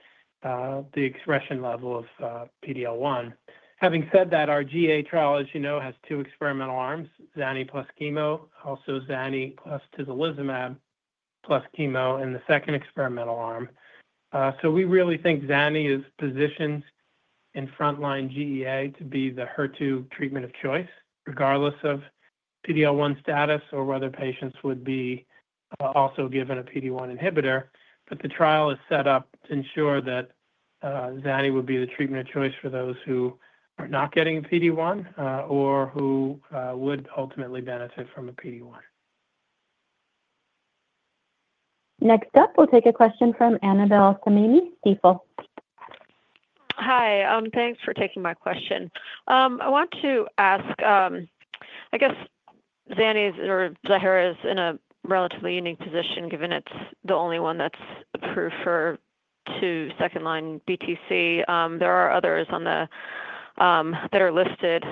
the expression level of PD-L1. Having said that, our GEA trial, as you know, has two experimental arms: zanidatamab plus chemo, also zanidatamab plus tislelizumab plus chemo in the second experimental arm. So we really think Ziihera is positioned in front-line GEA to be the HER2 treatment of choice, regardless of PD-L1 status or whether patients would be also given a PD-1 inhibitor. But the trial is set up to ensure that Ziihera would be the treatment of choice for those who are not getting a PD-1 or who would ultimately benefit from a PD-1. Next up, we'll take a question from Annabel Samimy at Stifel. Hi. Thanks for taking my question. I want to ask, I guess Ziihera is in a relatively unique position given it's the only one that's approved for HER2 second-line BTC. There are others that are listed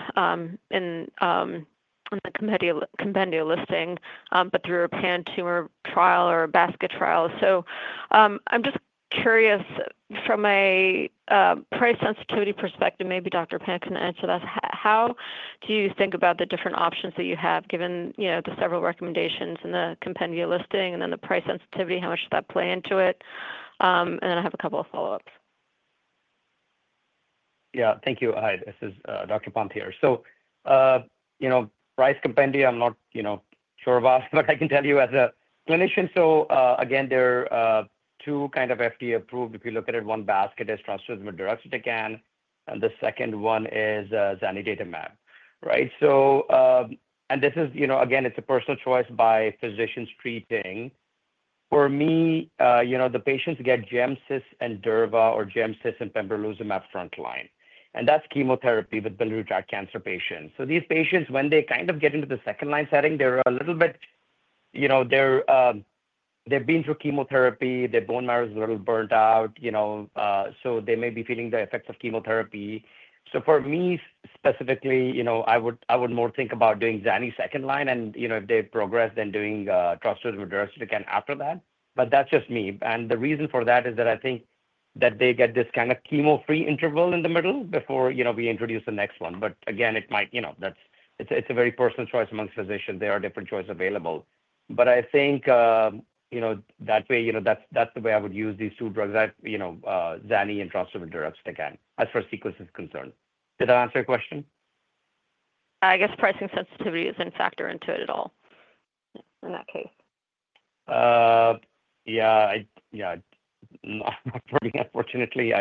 in the compendia listing, but through a pan-tumor trial or a basket trial. So I'm just curious, from a price sensitivity perspective, maybe Dr. Pant can answer that. How do you think about the different options that you have, given the several recommendations and the compendia listing, and then the price sensitivity? How much does that play into it? And then I have a couple of follow-ups. Yeah. Thank you. This is Dr. Pant here. So price compendia, I'm not sure about, but I can tell you as a clinician. So again, there are two kind of FDA-approved, if you look at it. One basket is trastuzumab deruxtecan, and the second one is zanidatamab, right? And this is, again, it's a personal choice by physicians treating. For me, the patients get GemCis and Durva or GemCis and pembrolizumab front-line. And that's chemotherapy with biliary tract cancer patients. So these patients, when they kind of get into the second-line setting, they're a little bit, they've been through chemotherapy. Their bone marrow is a little burnt out. So they may be feeling the effects of chemotherapy. So for me specifically, I would more think about doing Zanni second-line, and if they progress, then doing trastuzumab deruxtecan after that. But that's just me. The reason for that is that I think that they get this kind of chemo-free interval in the middle before we introduce the next one. But again, it's a very personal choice among physicians. There are different choices available. But I think that way that's the way I would use these two drugs, zanidatamab and trastuzumab deruxtecan, as far as sequence is concerned. Did that answer your question? I guess pricing sensitivity doesn't factor into it at all in that case. Yeah. Not for me, unfortunately,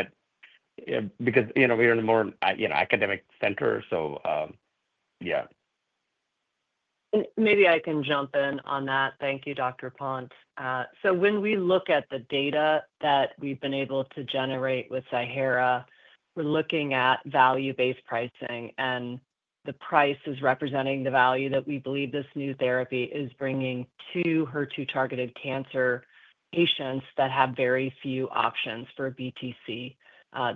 because we're in a more academic center. So yeah. Maybe I can jump in on that. Thank you, Dr. Pant. So when we look at the data that we've been able to generate with Ziihera, we're looking at value-based pricing. And the price is representing the value that we believe this new therapy is bringing to HER2-targeted cancer patients that have very few options for BTC.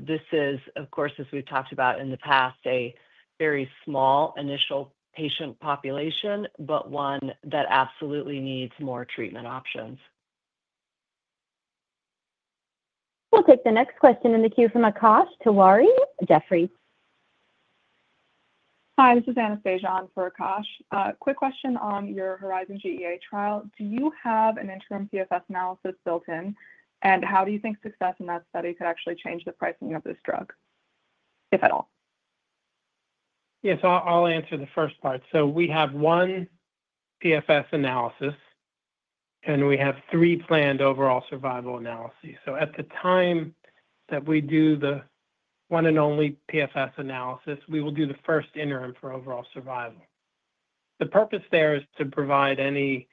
This is, of course, as we've talked about in the past, a very small initial patient population, but one that absolutely needs more treatment options. We'll take the next question in the queue from Akash Tewari. Jefferies. Hi. This is Anastasia on for Akash. Quick question on your HERIZON GEA trial. Do you have an interim PFS analysis built in? And how do you think success in that study could actually change the pricing of this drug, if at all? Yeah. So I'll answer the first part. So we have one PFS analysis, and we have three planned overall survival analyses. So at the time that we do the one and only PFS analysis, we will do the first interim for overall survival. The purpose there is to provide any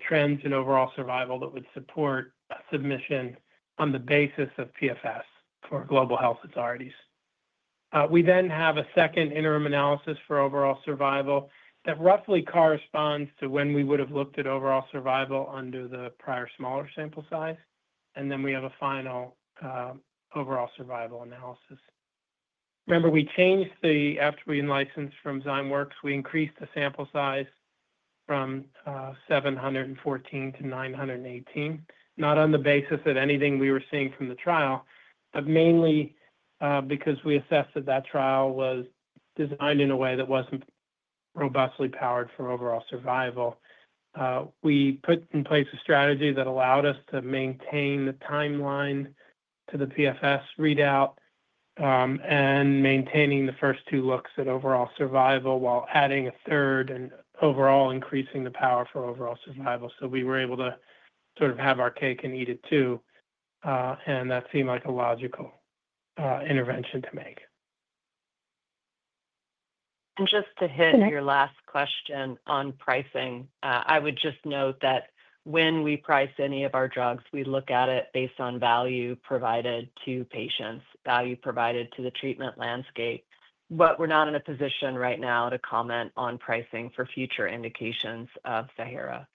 trends in overall survival that would support a submission on the basis of PFS for global health authorities. We then have a second interim analysis for overall survival that roughly corresponds to when we would have looked at overall survival under the prior smaller sample size. And then we have a final overall survival analysis. Remember, we changed it after we licensed from Zymworks. We increased the sample size from 714 to 918, not on the basis of anything we were seeing from the trial, but mainly because we assessed that that trial was designed in a way that wasn't robustly powered for overall survival. We put in place a strategy that allowed us to maintain the timeline to the PFS readout and maintaining the first two looks at overall survival while adding a third and overall increasing the power for overall survival. So we were able to sort of have our cake and eat it too. And that seemed like a logical intervention to make. And just to hit your last question on pricing, I would just note that when we price any of our drugs, we look at it based on value provided to patients, value provided to the treatment landscape. But we're not in a position right now to comment on pricing for future indications of Ziihera.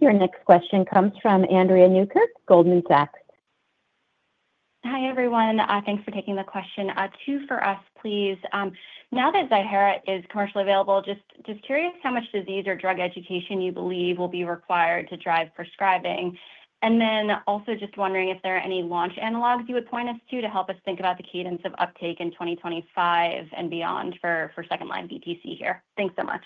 Your next question comes from Andrea Tan, Goldman Sachs. Hi, everyone. Thanks for taking the question. Two for us, please. Now that Ziihera is commercially available, just curious how much disease or drug education you believe will be required to drive prescribing. And then also just wondering if there are any launch analogs you would point us to to help us think about the cadence of uptake in 2025 and beyond for second-line BTC here. Thanks so much.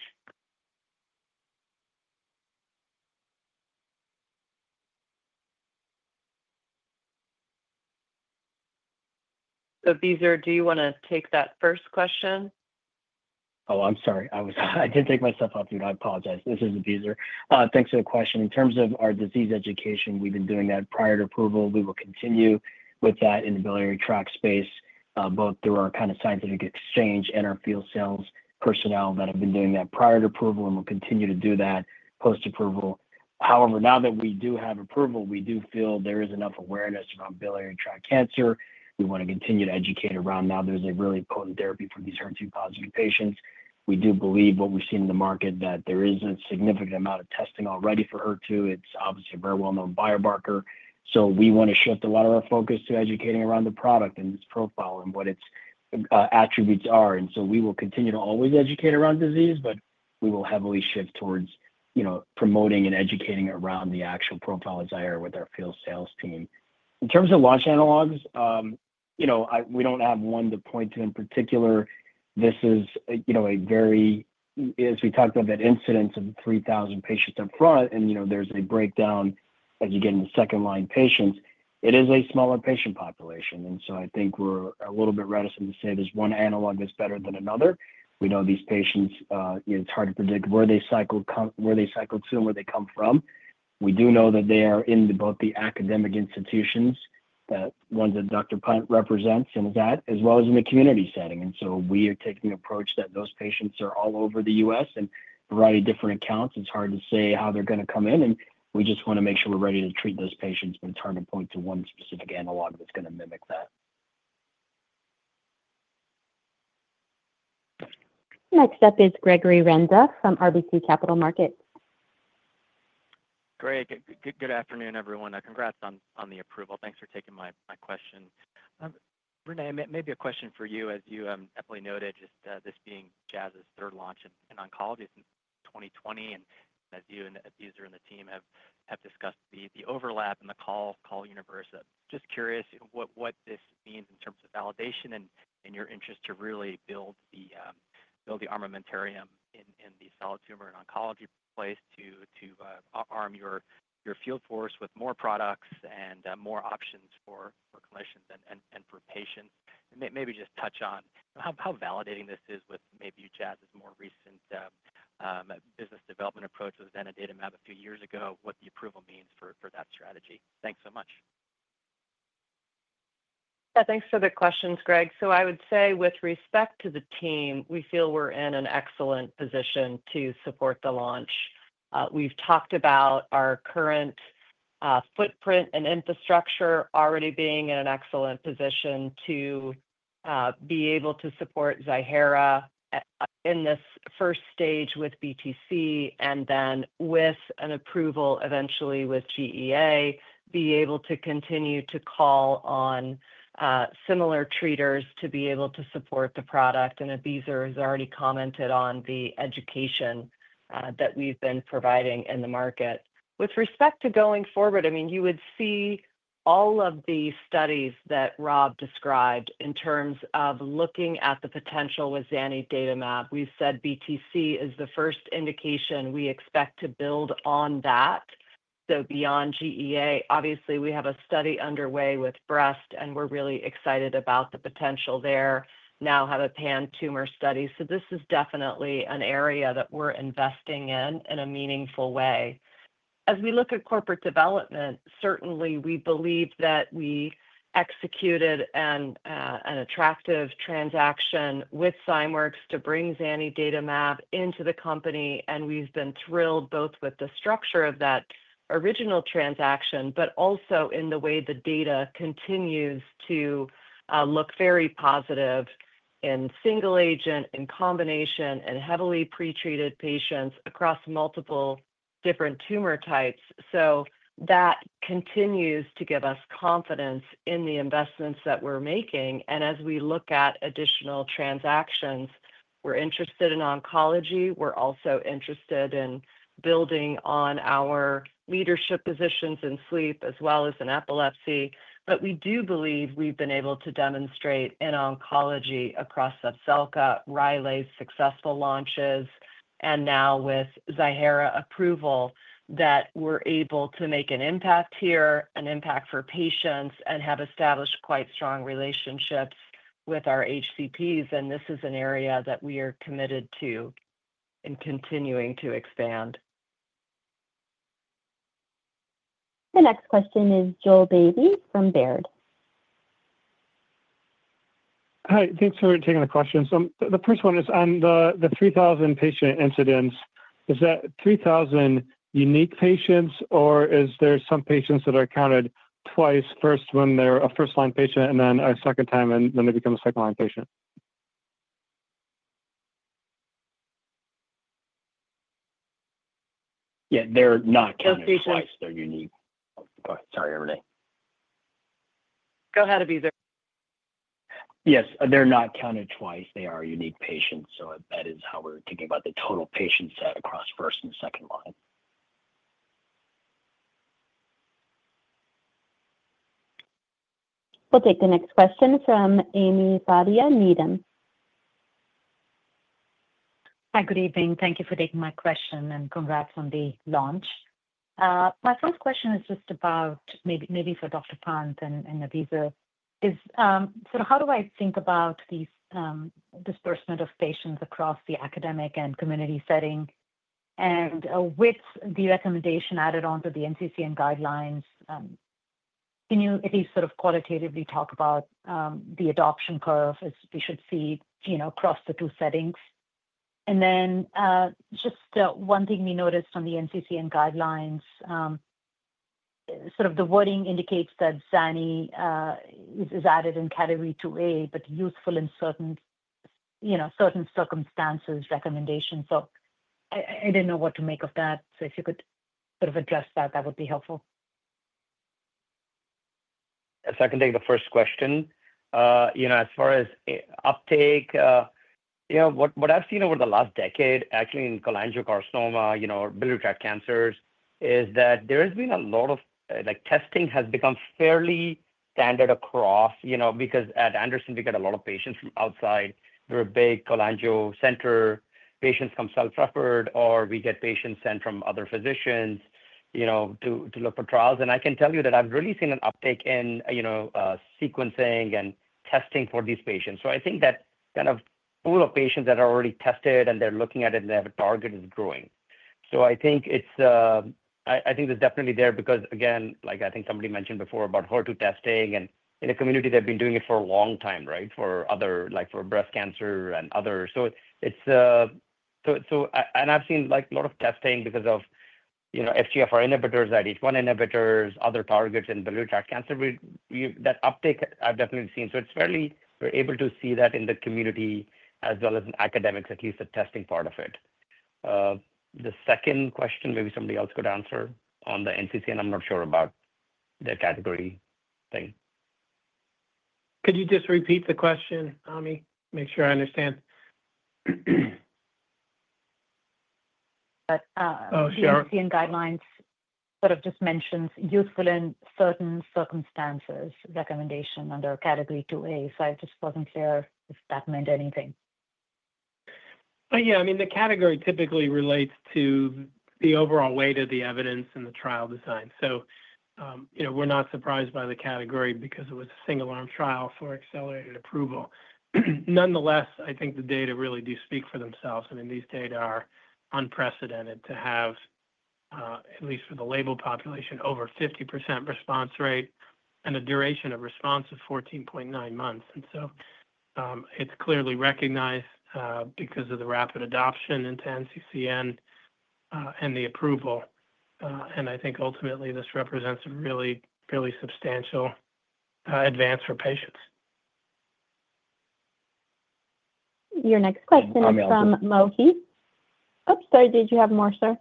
Abizar, do you want to take that first question? Oh, I'm sorry. I didn't take myself off mute. I apologize. This is Abizar. Thanks for the question. In terms of our disease education, we've been doing that prior to approval. We will continue with that in the biliary tract space, both through our kind of scientific exchange and our field sales personnel that have been doing that prior to approval and will continue to do that post-approval. However, now that we do have approval, we do feel there is enough awareness around biliary tract cancer. We want to continue to educate around now there's a really potent therapy for these HER2-positive patients. We do believe what we've seen in the market that there is a significant amount of testing already for HER2. It's obviously a very well-known biomarker. So we want to shift a lot of our focus to educating around the product and its profile and what its attributes are. And so we will continue to always educate around disease, but we will heavily shift towards promoting and educating around the actual profile of Ziihera with our field sales team. In terms of launch analogs, we don't have one to point to in particular. This is a very, as we talked about, that incidence of 3,000 patients upfront. And there's a breakdown as you get into second-line patients. It is a smaller patient population. And so I think we're a little bit reticent to say there's one analog that's better than another. We know these patients, it's hard to predict where they cycle to and where they come from. We do know that they are in both the academic institutions, the ones that Dr. Pant represents an asset as well as in the community setting. And so we are taking the approach that those patients are all over the U.S. and a variety of different accounts. It's hard to say how they're going to come in. And we just want to make sure we're ready to treat those patients, but it's hard to point to one specific analog that's going to mimic that. Next up is Gregory Renza from RBC Capital Markets. Great. Good afternoon, everyone. Congrats on the approval. Thanks for taking my question. Renée, maybe a question for you, as you definitely noted, just this being Jazz's third launch in oncology since 2020. And as you and Abizar and the team have discussed the overlap in the call universe, just curious what this means in terms of validation and your interest to really build the armamentarium in the solid tumor and oncology place to arm your field force with more products and more options for clinicians and for patients. And maybe just touch on how validating this is with maybe Jazz's more recent business development approach with zanidatamab a few years ago, what the approval means for that strategy. Thanks so much. Yeah. Thanks for the questions, Greg. So I would say with respect to the team, we feel we're in an excellent position to support the launch. We've talked about our current footprint and infrastructure already being in an excellent position to be able to support Ziihera in this first stage with BTC and then with an approval eventually with GEA, be able to continue to call on similar treaters to be able to support the product. And Abizar has already commented on the education that we've been providing in the market. With respect to going forward, I mean, you would see all of the studies that Rob described in terms of looking at the potential with zanidatamab. We've said BTC is the first indication we expect to build on that. So beyond GEA, obviously, we have a study underway with breast, and we're really excited about the potential there. Now have a pan-tumor study. So this is definitely an area that we're investing in in a meaningful way. As we look at corporate development, certainly, we believe that we executed an attractive transaction with Zymeworks to bring zanidatamab into the company. And we've been thrilled both with the structure of that original transaction, but also in the way the data continues to look very positive in single agent, in combination, and heavily pretreated patients across multiple different tumor types. So that continues to give us confidence in the investments that we're making. And as we look at additional transactions, we're interested in oncology. We're also interested in building on our leadership positions in sleep as well as in epilepsy. But we do believe we've been able to demonstrate in oncology across Zepzelca, Rylaze's successful launches, and now with Ziihera approval that we're able to make an impact here, an impact for patients, and have established quite strong relationships with our HCPs. And this is an area that we are committed to and continuing to expand. The next question is Joel Beatty from Baird. Hi. Thanks for taking the question. So the first one is on the 3,000 patient incidence. Is that 3,000 unique patients, or is there some patients that are counted twice, first when they're a first-line patient and then a second time, and then they become a second-line patient? Yeah. They're not counted twice. They're unique. Sorry, Renée. Go ahead, Abizar. Yes. They're not counted twice. They are unique patients. So that is how we're thinking about the total patient set across first and second line. We'll take the next question from Amy Fadia, Needham. Hi. Good evening. Thank you for taking my question and congrats on the launch. My first question is just about maybe for Dr. Pant and Abizar is sort of how do I think about this distribution of patients across the academic and community setting? And with the recommendation added onto the NCCN guidelines, can you at least sort of qualitatively talk about the adoption curve as we should see across the two settings? And then just one thing we noticed on the NCCN guidelines, sort of the wording indicates that zanidatamab is added in category 2A, but useful in certain circumstances recommendations. So I didn't know what to make of that. So if you could sort of address that, that would be helpful. If I can take the first question, as far as uptake, what I've seen over the last decade, actually in cholangiocarcinoma, biliary tract cancers, is that there has been a lot of testing has become fairly standard across, because at Anderson, we get a lot of patients from outside. We're a big cholangio center. Patients come self-referred, or we get patients sent from other physicians to look for trials, and I can tell you that I've really seen an uptake in sequencing and testing for these patients, so I think that kind of pool of patients that are already tested and they're looking at it and they have a target is growing. So I think it's definitely there because, again, like I think somebody mentioned before about HER2 testing and in the community, they've been doing it for a long time, right, for other like for breast cancer and other. So it's, and I've seen a lot of testing because of FGFR inhibitors, IDH1 inhibitors, other targets in biliary tract cancer. That uptake, I've definitely seen. So it's fairly we're able to see that in the community as well as in academics, at least the testing part of it. The second question, maybe somebody else could answer on the NCCN. I'm not sure about the category thing. Could you just repeat the question, Amy? Make sure I understand. But the NCCN guidelines sort of just mentions useful in certain circumstances recommendation under category 2A. So I just wasn't clear if that meant anything. Yeah. I mean, the category typically relates to the overall weight of the evidence and the trial design. So we're not surprised by the category because it was a single-arm trial for accelerated approval. Nonetheless, I think the data really do speak for themselves. I mean, these data are unprecedented to have, at least for the labeled population, over 50% response rate and a duration of response of 14.9 months. And so it's clearly recognized because of the rapid adoption into NCCN and the approval. And I think ultimately, this represents a really, really substantial advance for patients. Your next question is from Mohit. Oops. Sorry. Did you have more, sir?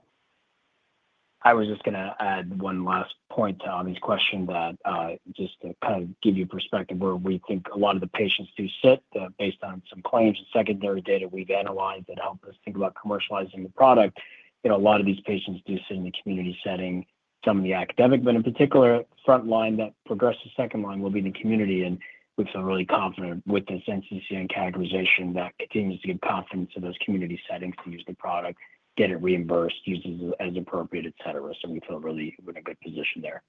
I was just going to add one last point on this question that just to kind of give you perspective where we think a lot of the patients do sit based on some claims and secondary data we've analyzed that help us think about commercializing the product. A lot of these patients do sit in the community setting, some in the academic, but in particular, frontline that progressive second line will be in the community. And we feel really confident with this NCCN categorization that continues to give confidence to those community settings to use the product, get it reimbursed, use it as appropriate, etc. So we feel really we're in a good position there.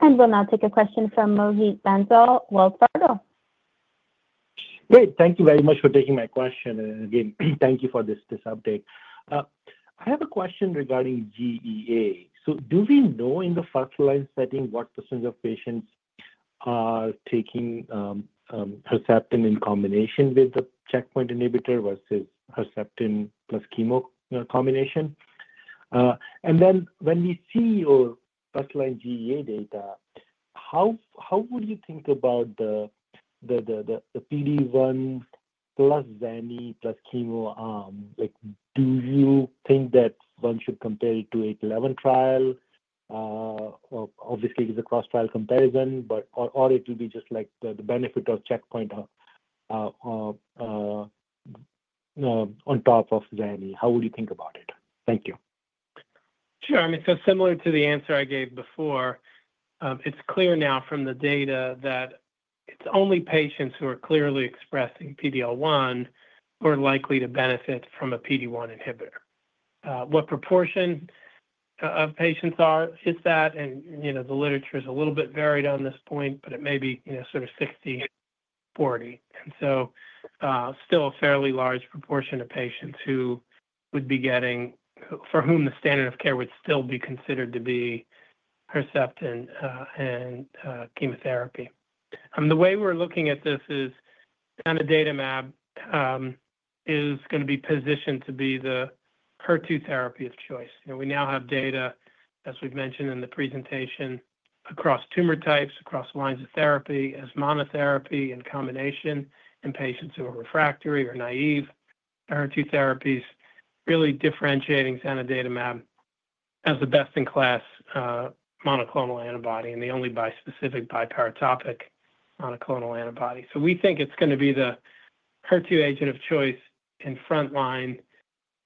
We'll now take a question from Mohit Bansal, Wells Fargo. Great. Thank you very much for taking my question. And again, thank you for this update. I have a question regarding GEA. So do we know in the first-line setting what percentage of patients are taking Herceptin in combination with the checkpoint inhibitor versus Herceptin plus chemo combination? And then when we see your first-line GEA data, how would you think about the PD-1 plus zanni plus chemo? Do you think that one should compare it to a 11 trial? Obviously, it's a cross-trial comparison, but or it would be just like the benefit of checkpoint on top of zanni? How would you think about it? Thank you. Sure. I mean, so similar to the answer I gave before, it's clear now from the data that it's only patients who are clearly expressing PD-1 who are likely to benefit from a PD-1 inhibitor. What proportion of patients is that? And the literature is a little bit varied on this point, but it may be sort of 60-40. And so still a fairly large proportion of patients who would be getting for whom the standard of care would still be considered to be Herceptin and chemotherapy. And the way we're looking at this is zanidatamab is going to be positioned to be the HER2 therapy of choice. We now have data, as we've mentioned in the presentation, across tumor types, across lines of therapy, as monotherapy in combination, in patients who are refractory or naive to HER2 therapies, really differentiating zanidatamab as the best-in-class monoclonal antibody and the only bispecific biparatopic monoclonal antibody. So we think it's going to be the HER2 agent of choice in front-line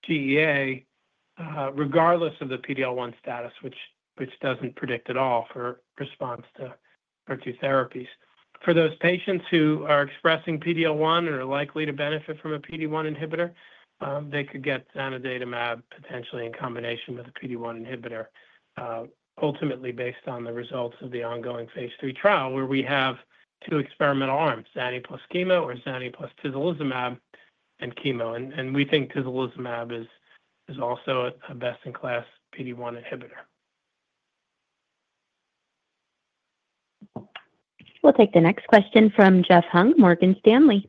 GEA, regardless of the PD-1 status, which doesn't predict at all for response to HER2 therapies. For those patients who are expressing PD-1 and are likely to benefit from a PD-1 inhibitor, they could get zanidatamab potentially in combination with a PD-1 inhibitor, ultimately based on the results of the ongoing phase three trial where we have two experimental arms, zanidatamab plus chemo or zanidatamab plus tislelizumab and chemo. And we think tislelizumab is also a best-in-class PD-1 inhibitor. We'll take the next question from Jeff Hung, Morgan Stanley.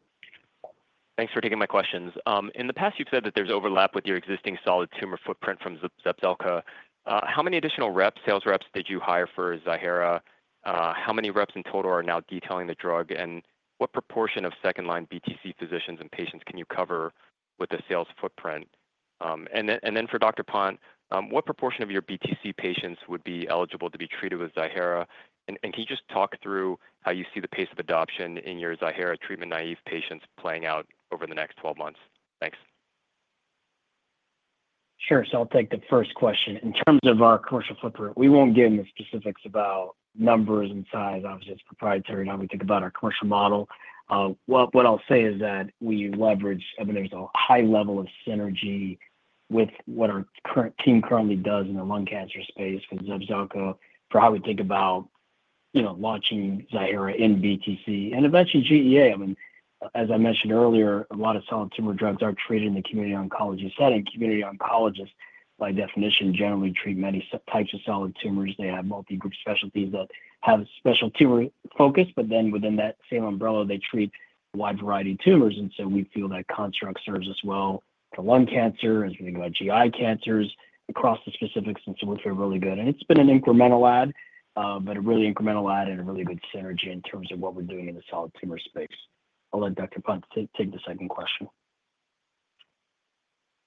Thanks for taking my questions. In the past, you've said that there's overlap with your existing solid tumor footprint from Zepzelca. How many additional reps, sales reps did you hire for Ziihera? How many reps in total are now detailing the drug? And what proportion of second-line BTC physicians and patients can you cover with the sales footprint? And then for Dr. Pant, what proportion of your BTC patients would be eligible to be treated with Ziihera? And can you just talk through how you see the pace of adoption in your Ziihera treatment-naive patients playing out over the next 12 months? Thanks. Sure. So I'll take the first question. In terms of our commercial footprint, we won't give any specifics about numbers and size. Obviously, it's proprietary. Now we think about our commercial model. What I'll say is that we leverage. I mean, there's a high level of synergy with what our current team currently does in the lung cancer space with Zepzelca for how we think about launching Ziihera in BTC and eventually GEA. I mean, as I mentioned earlier, a lot of solid tumor drugs are treated in the community oncology setting. Community oncologists, by definition, generally treat many types of solid tumors. They have multi-group specialties that have special tumor focus, but then within that same umbrella, they treat a wide variety of tumors. And so we feel that construct serves us well for lung cancer, as we think about GI cancers, across the specifics. And so we feel really good. And it's been an incremental add, but a really incremental add and a really good synergy in terms of what we're doing in the solid tumor space. I'll let Dr. Pant take the second question.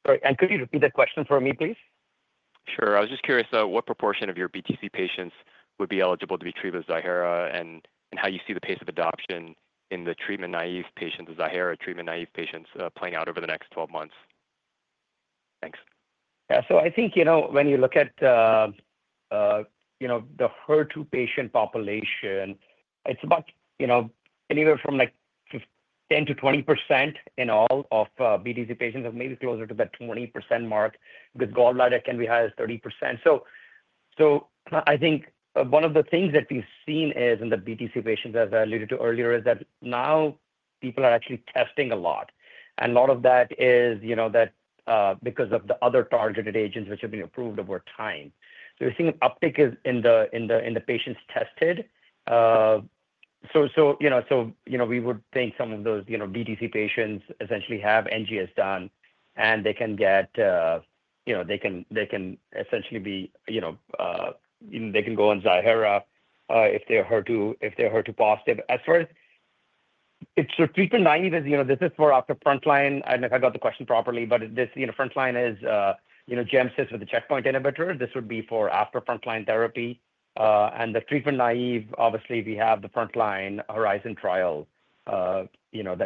Sorry, and could you repeat the question for me, please? Sure. I was just curious what proportion of your BTC patients would be eligible to be treated with Ziihera and how you see the pace of adoption in the treatment-naive patients, the Ziihera treatment-naive patients playing out over the next 12 months. Thanks. Yeah. So I think when you look at the HER2 patient population, it's about anywhere from like 10%-20% in all of BTC patients, maybe closer to that 20% mark because gallbladder can be high as 30%. So I think one of the things that we've seen is in the BTC patients, as I alluded to earlier, is that now people are actually testing a lot. And a lot of that is that because of the other targeted agents which have been approved over time. So we're seeing uptick in the patients tested. So we would think some of those BTC patients essentially have NGS done, and they can essentially go on Ziihera if they're HER2 positive. As far as it's a treatment-naive, this is for after frontline. I don't know if I got the question properly, but this frontline is gem/cis with a checkpoint inhibitor. This would be for after frontline therapy, and the treatment-naive, obviously, we have the frontline HERIZON trial that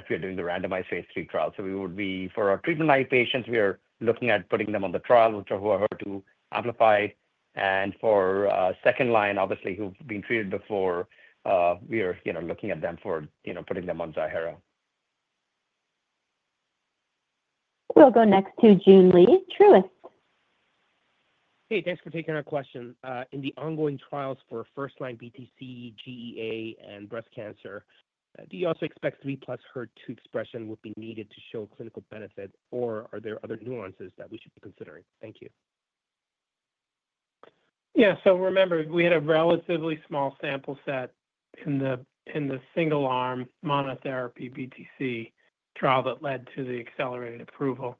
we are doing the randomized phase three trial, so we would be for our treatment-naive patients, we are looking at putting them on the trial with HER2 amplified, and for second-line, obviously, who've been treated before, we are looking at them for putting them on Ziihera. We'll go next to Joon Lee Truist. Hey, thanks for taking our question. In the ongoing trials for first-line BTC, GEA, and breast cancer, do you also expect 3 plus HER2 expression would be needed to show clinical benefit, or are there other nuances that we should be considering? Thank you. Yeah. So remember, we had a relatively small sample set in the single-arm monotherapy BTC trial that led to the accelerated approval.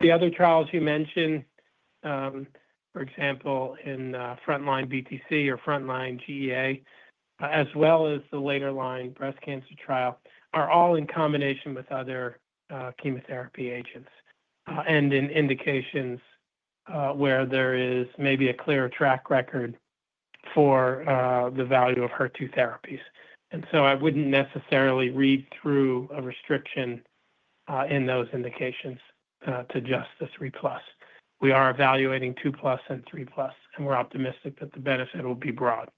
The other trials you mentioned, for example, in frontline BTC or frontline GEA, as well as the later-line breast cancer trial, are all in combination with other chemotherapy agents and in indications where there is maybe a clear track record for the value of HER2 therapies. And so I wouldn't necessarily read through a restriction in those indications to just the 3 plus. We are evaluating 2 plus and 3 plus, and we're optimistic that the benefit will be broad.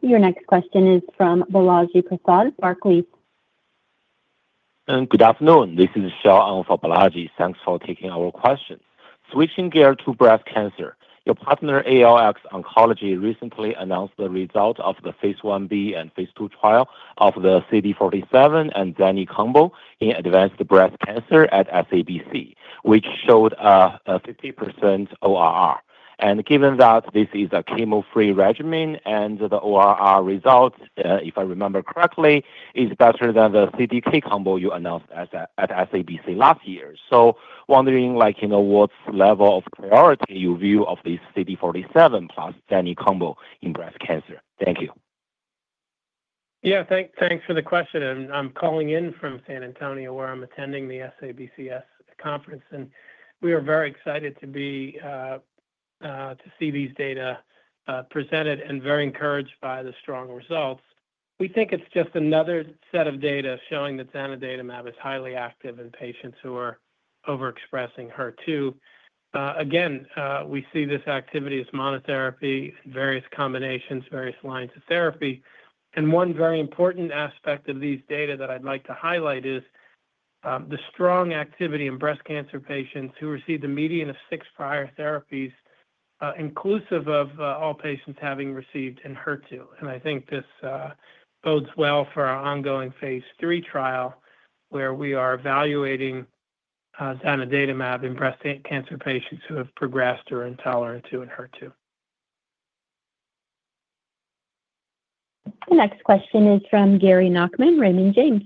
Your next question is from Balaji Prasad, Barclays. Good afternoon. This is Sean for Balaji. Thanks for taking our question. Switching gear to breast cancer, your partner, ALX Oncology, recently announced the result of the phase 1B and phase 2 trial of the CD47 and zanni combo in advanced breast cancer at SABCS, which showed a 50% ORR, and given that this is a chemo-free regimen and the ORR result, if I remember correctly, is better than the CDK combo you announced at SABCS last year, so wondering what's the level of priority you view of this CD47 plus zanni combo in breast cancer? Thank you. Yeah. Thanks for the question. I'm calling in from San Antonio where I'm attending the SABCS conference. And we are very excited to see these data presented and very encouraged by the strong results. We think it's just another set of data showing that zanidatamab is highly active in patients who are overexpressing HER2. Again, we see this activity as monotherapy, various combinations, and various lines of therapy. And one very important aspect of these data that I'd like to highlight is the strong activity in breast cancer patients who received a median of six prior therapies, inclusive of all patients having received Enhertu. And I think this bodes well for our ongoing phase three trial where we are evaluating zanidatamab in breast cancer patients who have progressed or are intolerant to Enhertu. The next question is from Gary Nachman, Raymond James.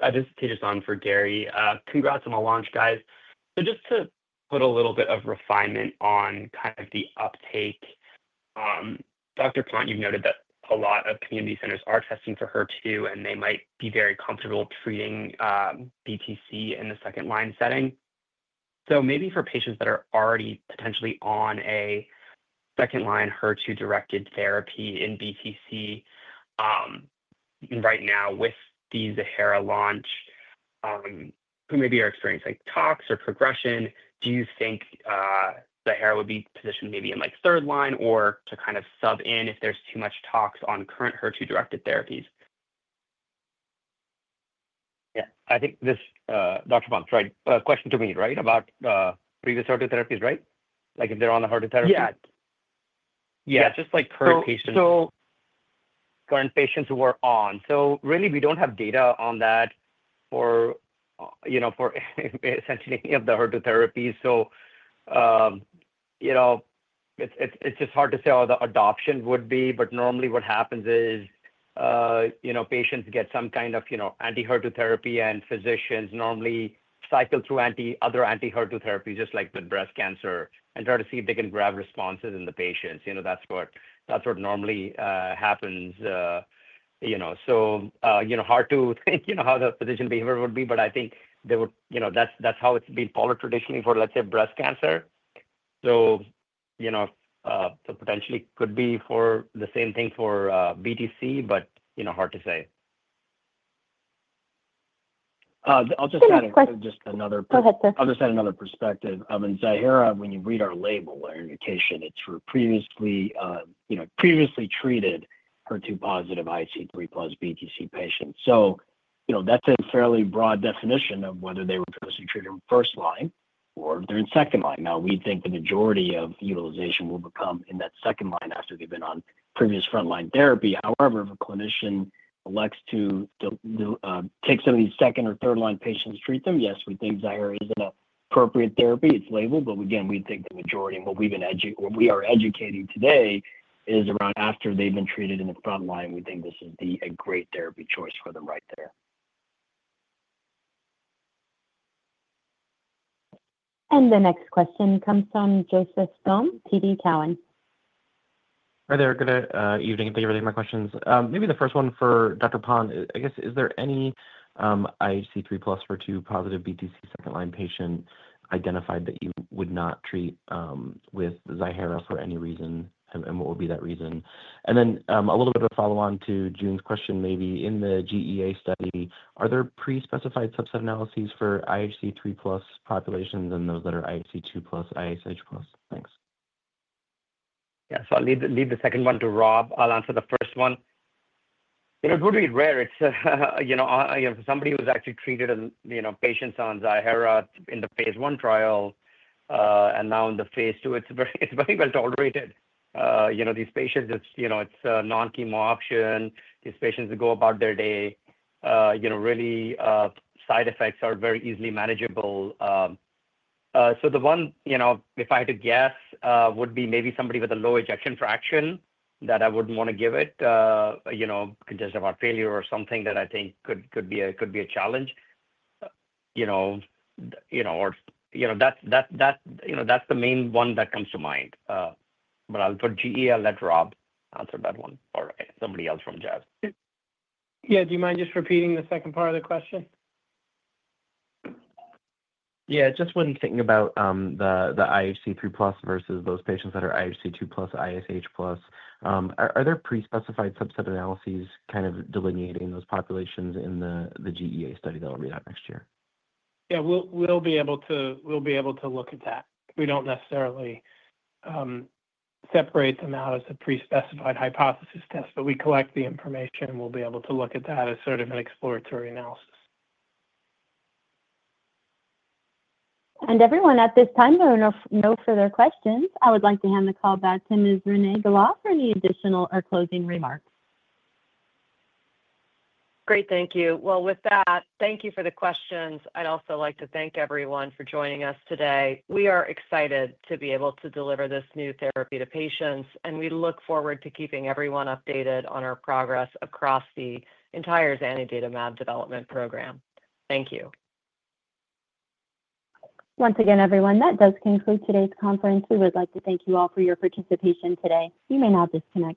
Hi, this is Tejas Wein for Gary. Congrats on the launch, guys. So just to put a little bit of refinement on kind of the uptake, Dr. Pant, you've noted that a lot of community centers are testing for HER2, and they might be very comfortable treating BTC in the second-line setting. So maybe for patients that are already potentially on a second-line HER2-directed therapy in BTC right now with the Ziihera launch, who maybe are experiencing tox or progression, do you think Ziihera would be positioned maybe in third line or to kind of sub in if there's too much tox on current HER2-directed therapies? Yeah. I think this, Dr. Pant, right? Question to me, right, about previous HER2 therapies, right? Like if they're on the HER2 therapy? Yeah. Yeah. Just like current patients. So really, we don't have data on that for essentially any of the HER2 therapies. So it's just hard to say how the adoption would be. But normally, what happens is patients get some kind of anti-HER2 therapy, and physicians normally cycle through other anti-HER2 therapies just like with breast cancer and try to see if they can grab responses in the patients. That's what normally happens. So hard to think how the physician behavior would be, but I think that's how it's been followed traditionally for, let's say, breast cancer. So potentially could be for the same thing for BTC, but hard to say. I'll just add another perspective. Go ahead, sir. I'll just add another perspective. I mean, Ziihera, when you read our label or indication, it's for previously treated HER2-positive IHC3+ BTC patients. So that's a fairly broad definition of whether they were previously treated in first line or they're in second line. Now, we think the majority of utilization will become in that second line after they've been on previous front-line therapy. However, if a clinician elects to take some of these second or third-line patients and treat them, yes, we think Ziihera is an appropriate therapy. It's labeled. But again, we think the majority and what we are educating today is around after they've been treated in the front line, we think this is a great therapy choice for them right there. The next question comes from Joseph Thome, TD Cowen. Hi there. Good evening. Thank you for taking my questions. Maybe the first one for Dr. Pant, I guess, is there any IHC3 plus HER2-positive BTC second-line patient identified that you would not treat with Ziihera for any reason? And what would be that reason? And then a little bit of a follow-on to June's question, maybe in the GEA study, are there pre-specified subset analyses for IHC3 plus populations and those that are IHC 2+ ISH+? Thanks. Yeah. So I'll leave the second one to Rob. I'll answer the first one. It would be rare. For somebody who's actually treated patients on Ziihera in the phase one trial and now in the phase two, it's very well tolerated. These patients, it's a non-chemo option. These patients go about their day. Really, side effects are very easily manageable. So the one, if I had to guess, would be maybe somebody with a low ejection fraction that I wouldn't want to give it, congestive heart failure or something that I think could be a challenge. Or that's the main one that comes to mind. But for GE, I'll let Rob answer that one or somebody else from Jazz. Yeah. Do you mind just repeating the second part of the question? Yeah. Just when thinking about the IHC3 plus versus those patients that are IHC2 plus ISH plus, are there pre-specified subset analyses kind of delineating those populations in the GEA study that we'll read out next year? Yeah. We'll be able to look at that. We don't necessarily separate them out as a pre-specified hypothesis test, but we collect the information. We'll be able to look at that as sort of an exploratory analysis. Everyone, at this time, there are no further questions. I would like to hand the call back to Ms. Renée Galá for any additional or closing remarks. Great. Thank you. With that, thank you for the questions. I'd also like to thank everyone for joining us today. We are excited to be able to deliver this new therapy to patients, and we look forward to keeping everyone updated on our progress across the entire zanidatamab development program. Thank you. Once again, everyone, that does conclude today's conference. We would like to thank you all for your participation today. You may now disconnect.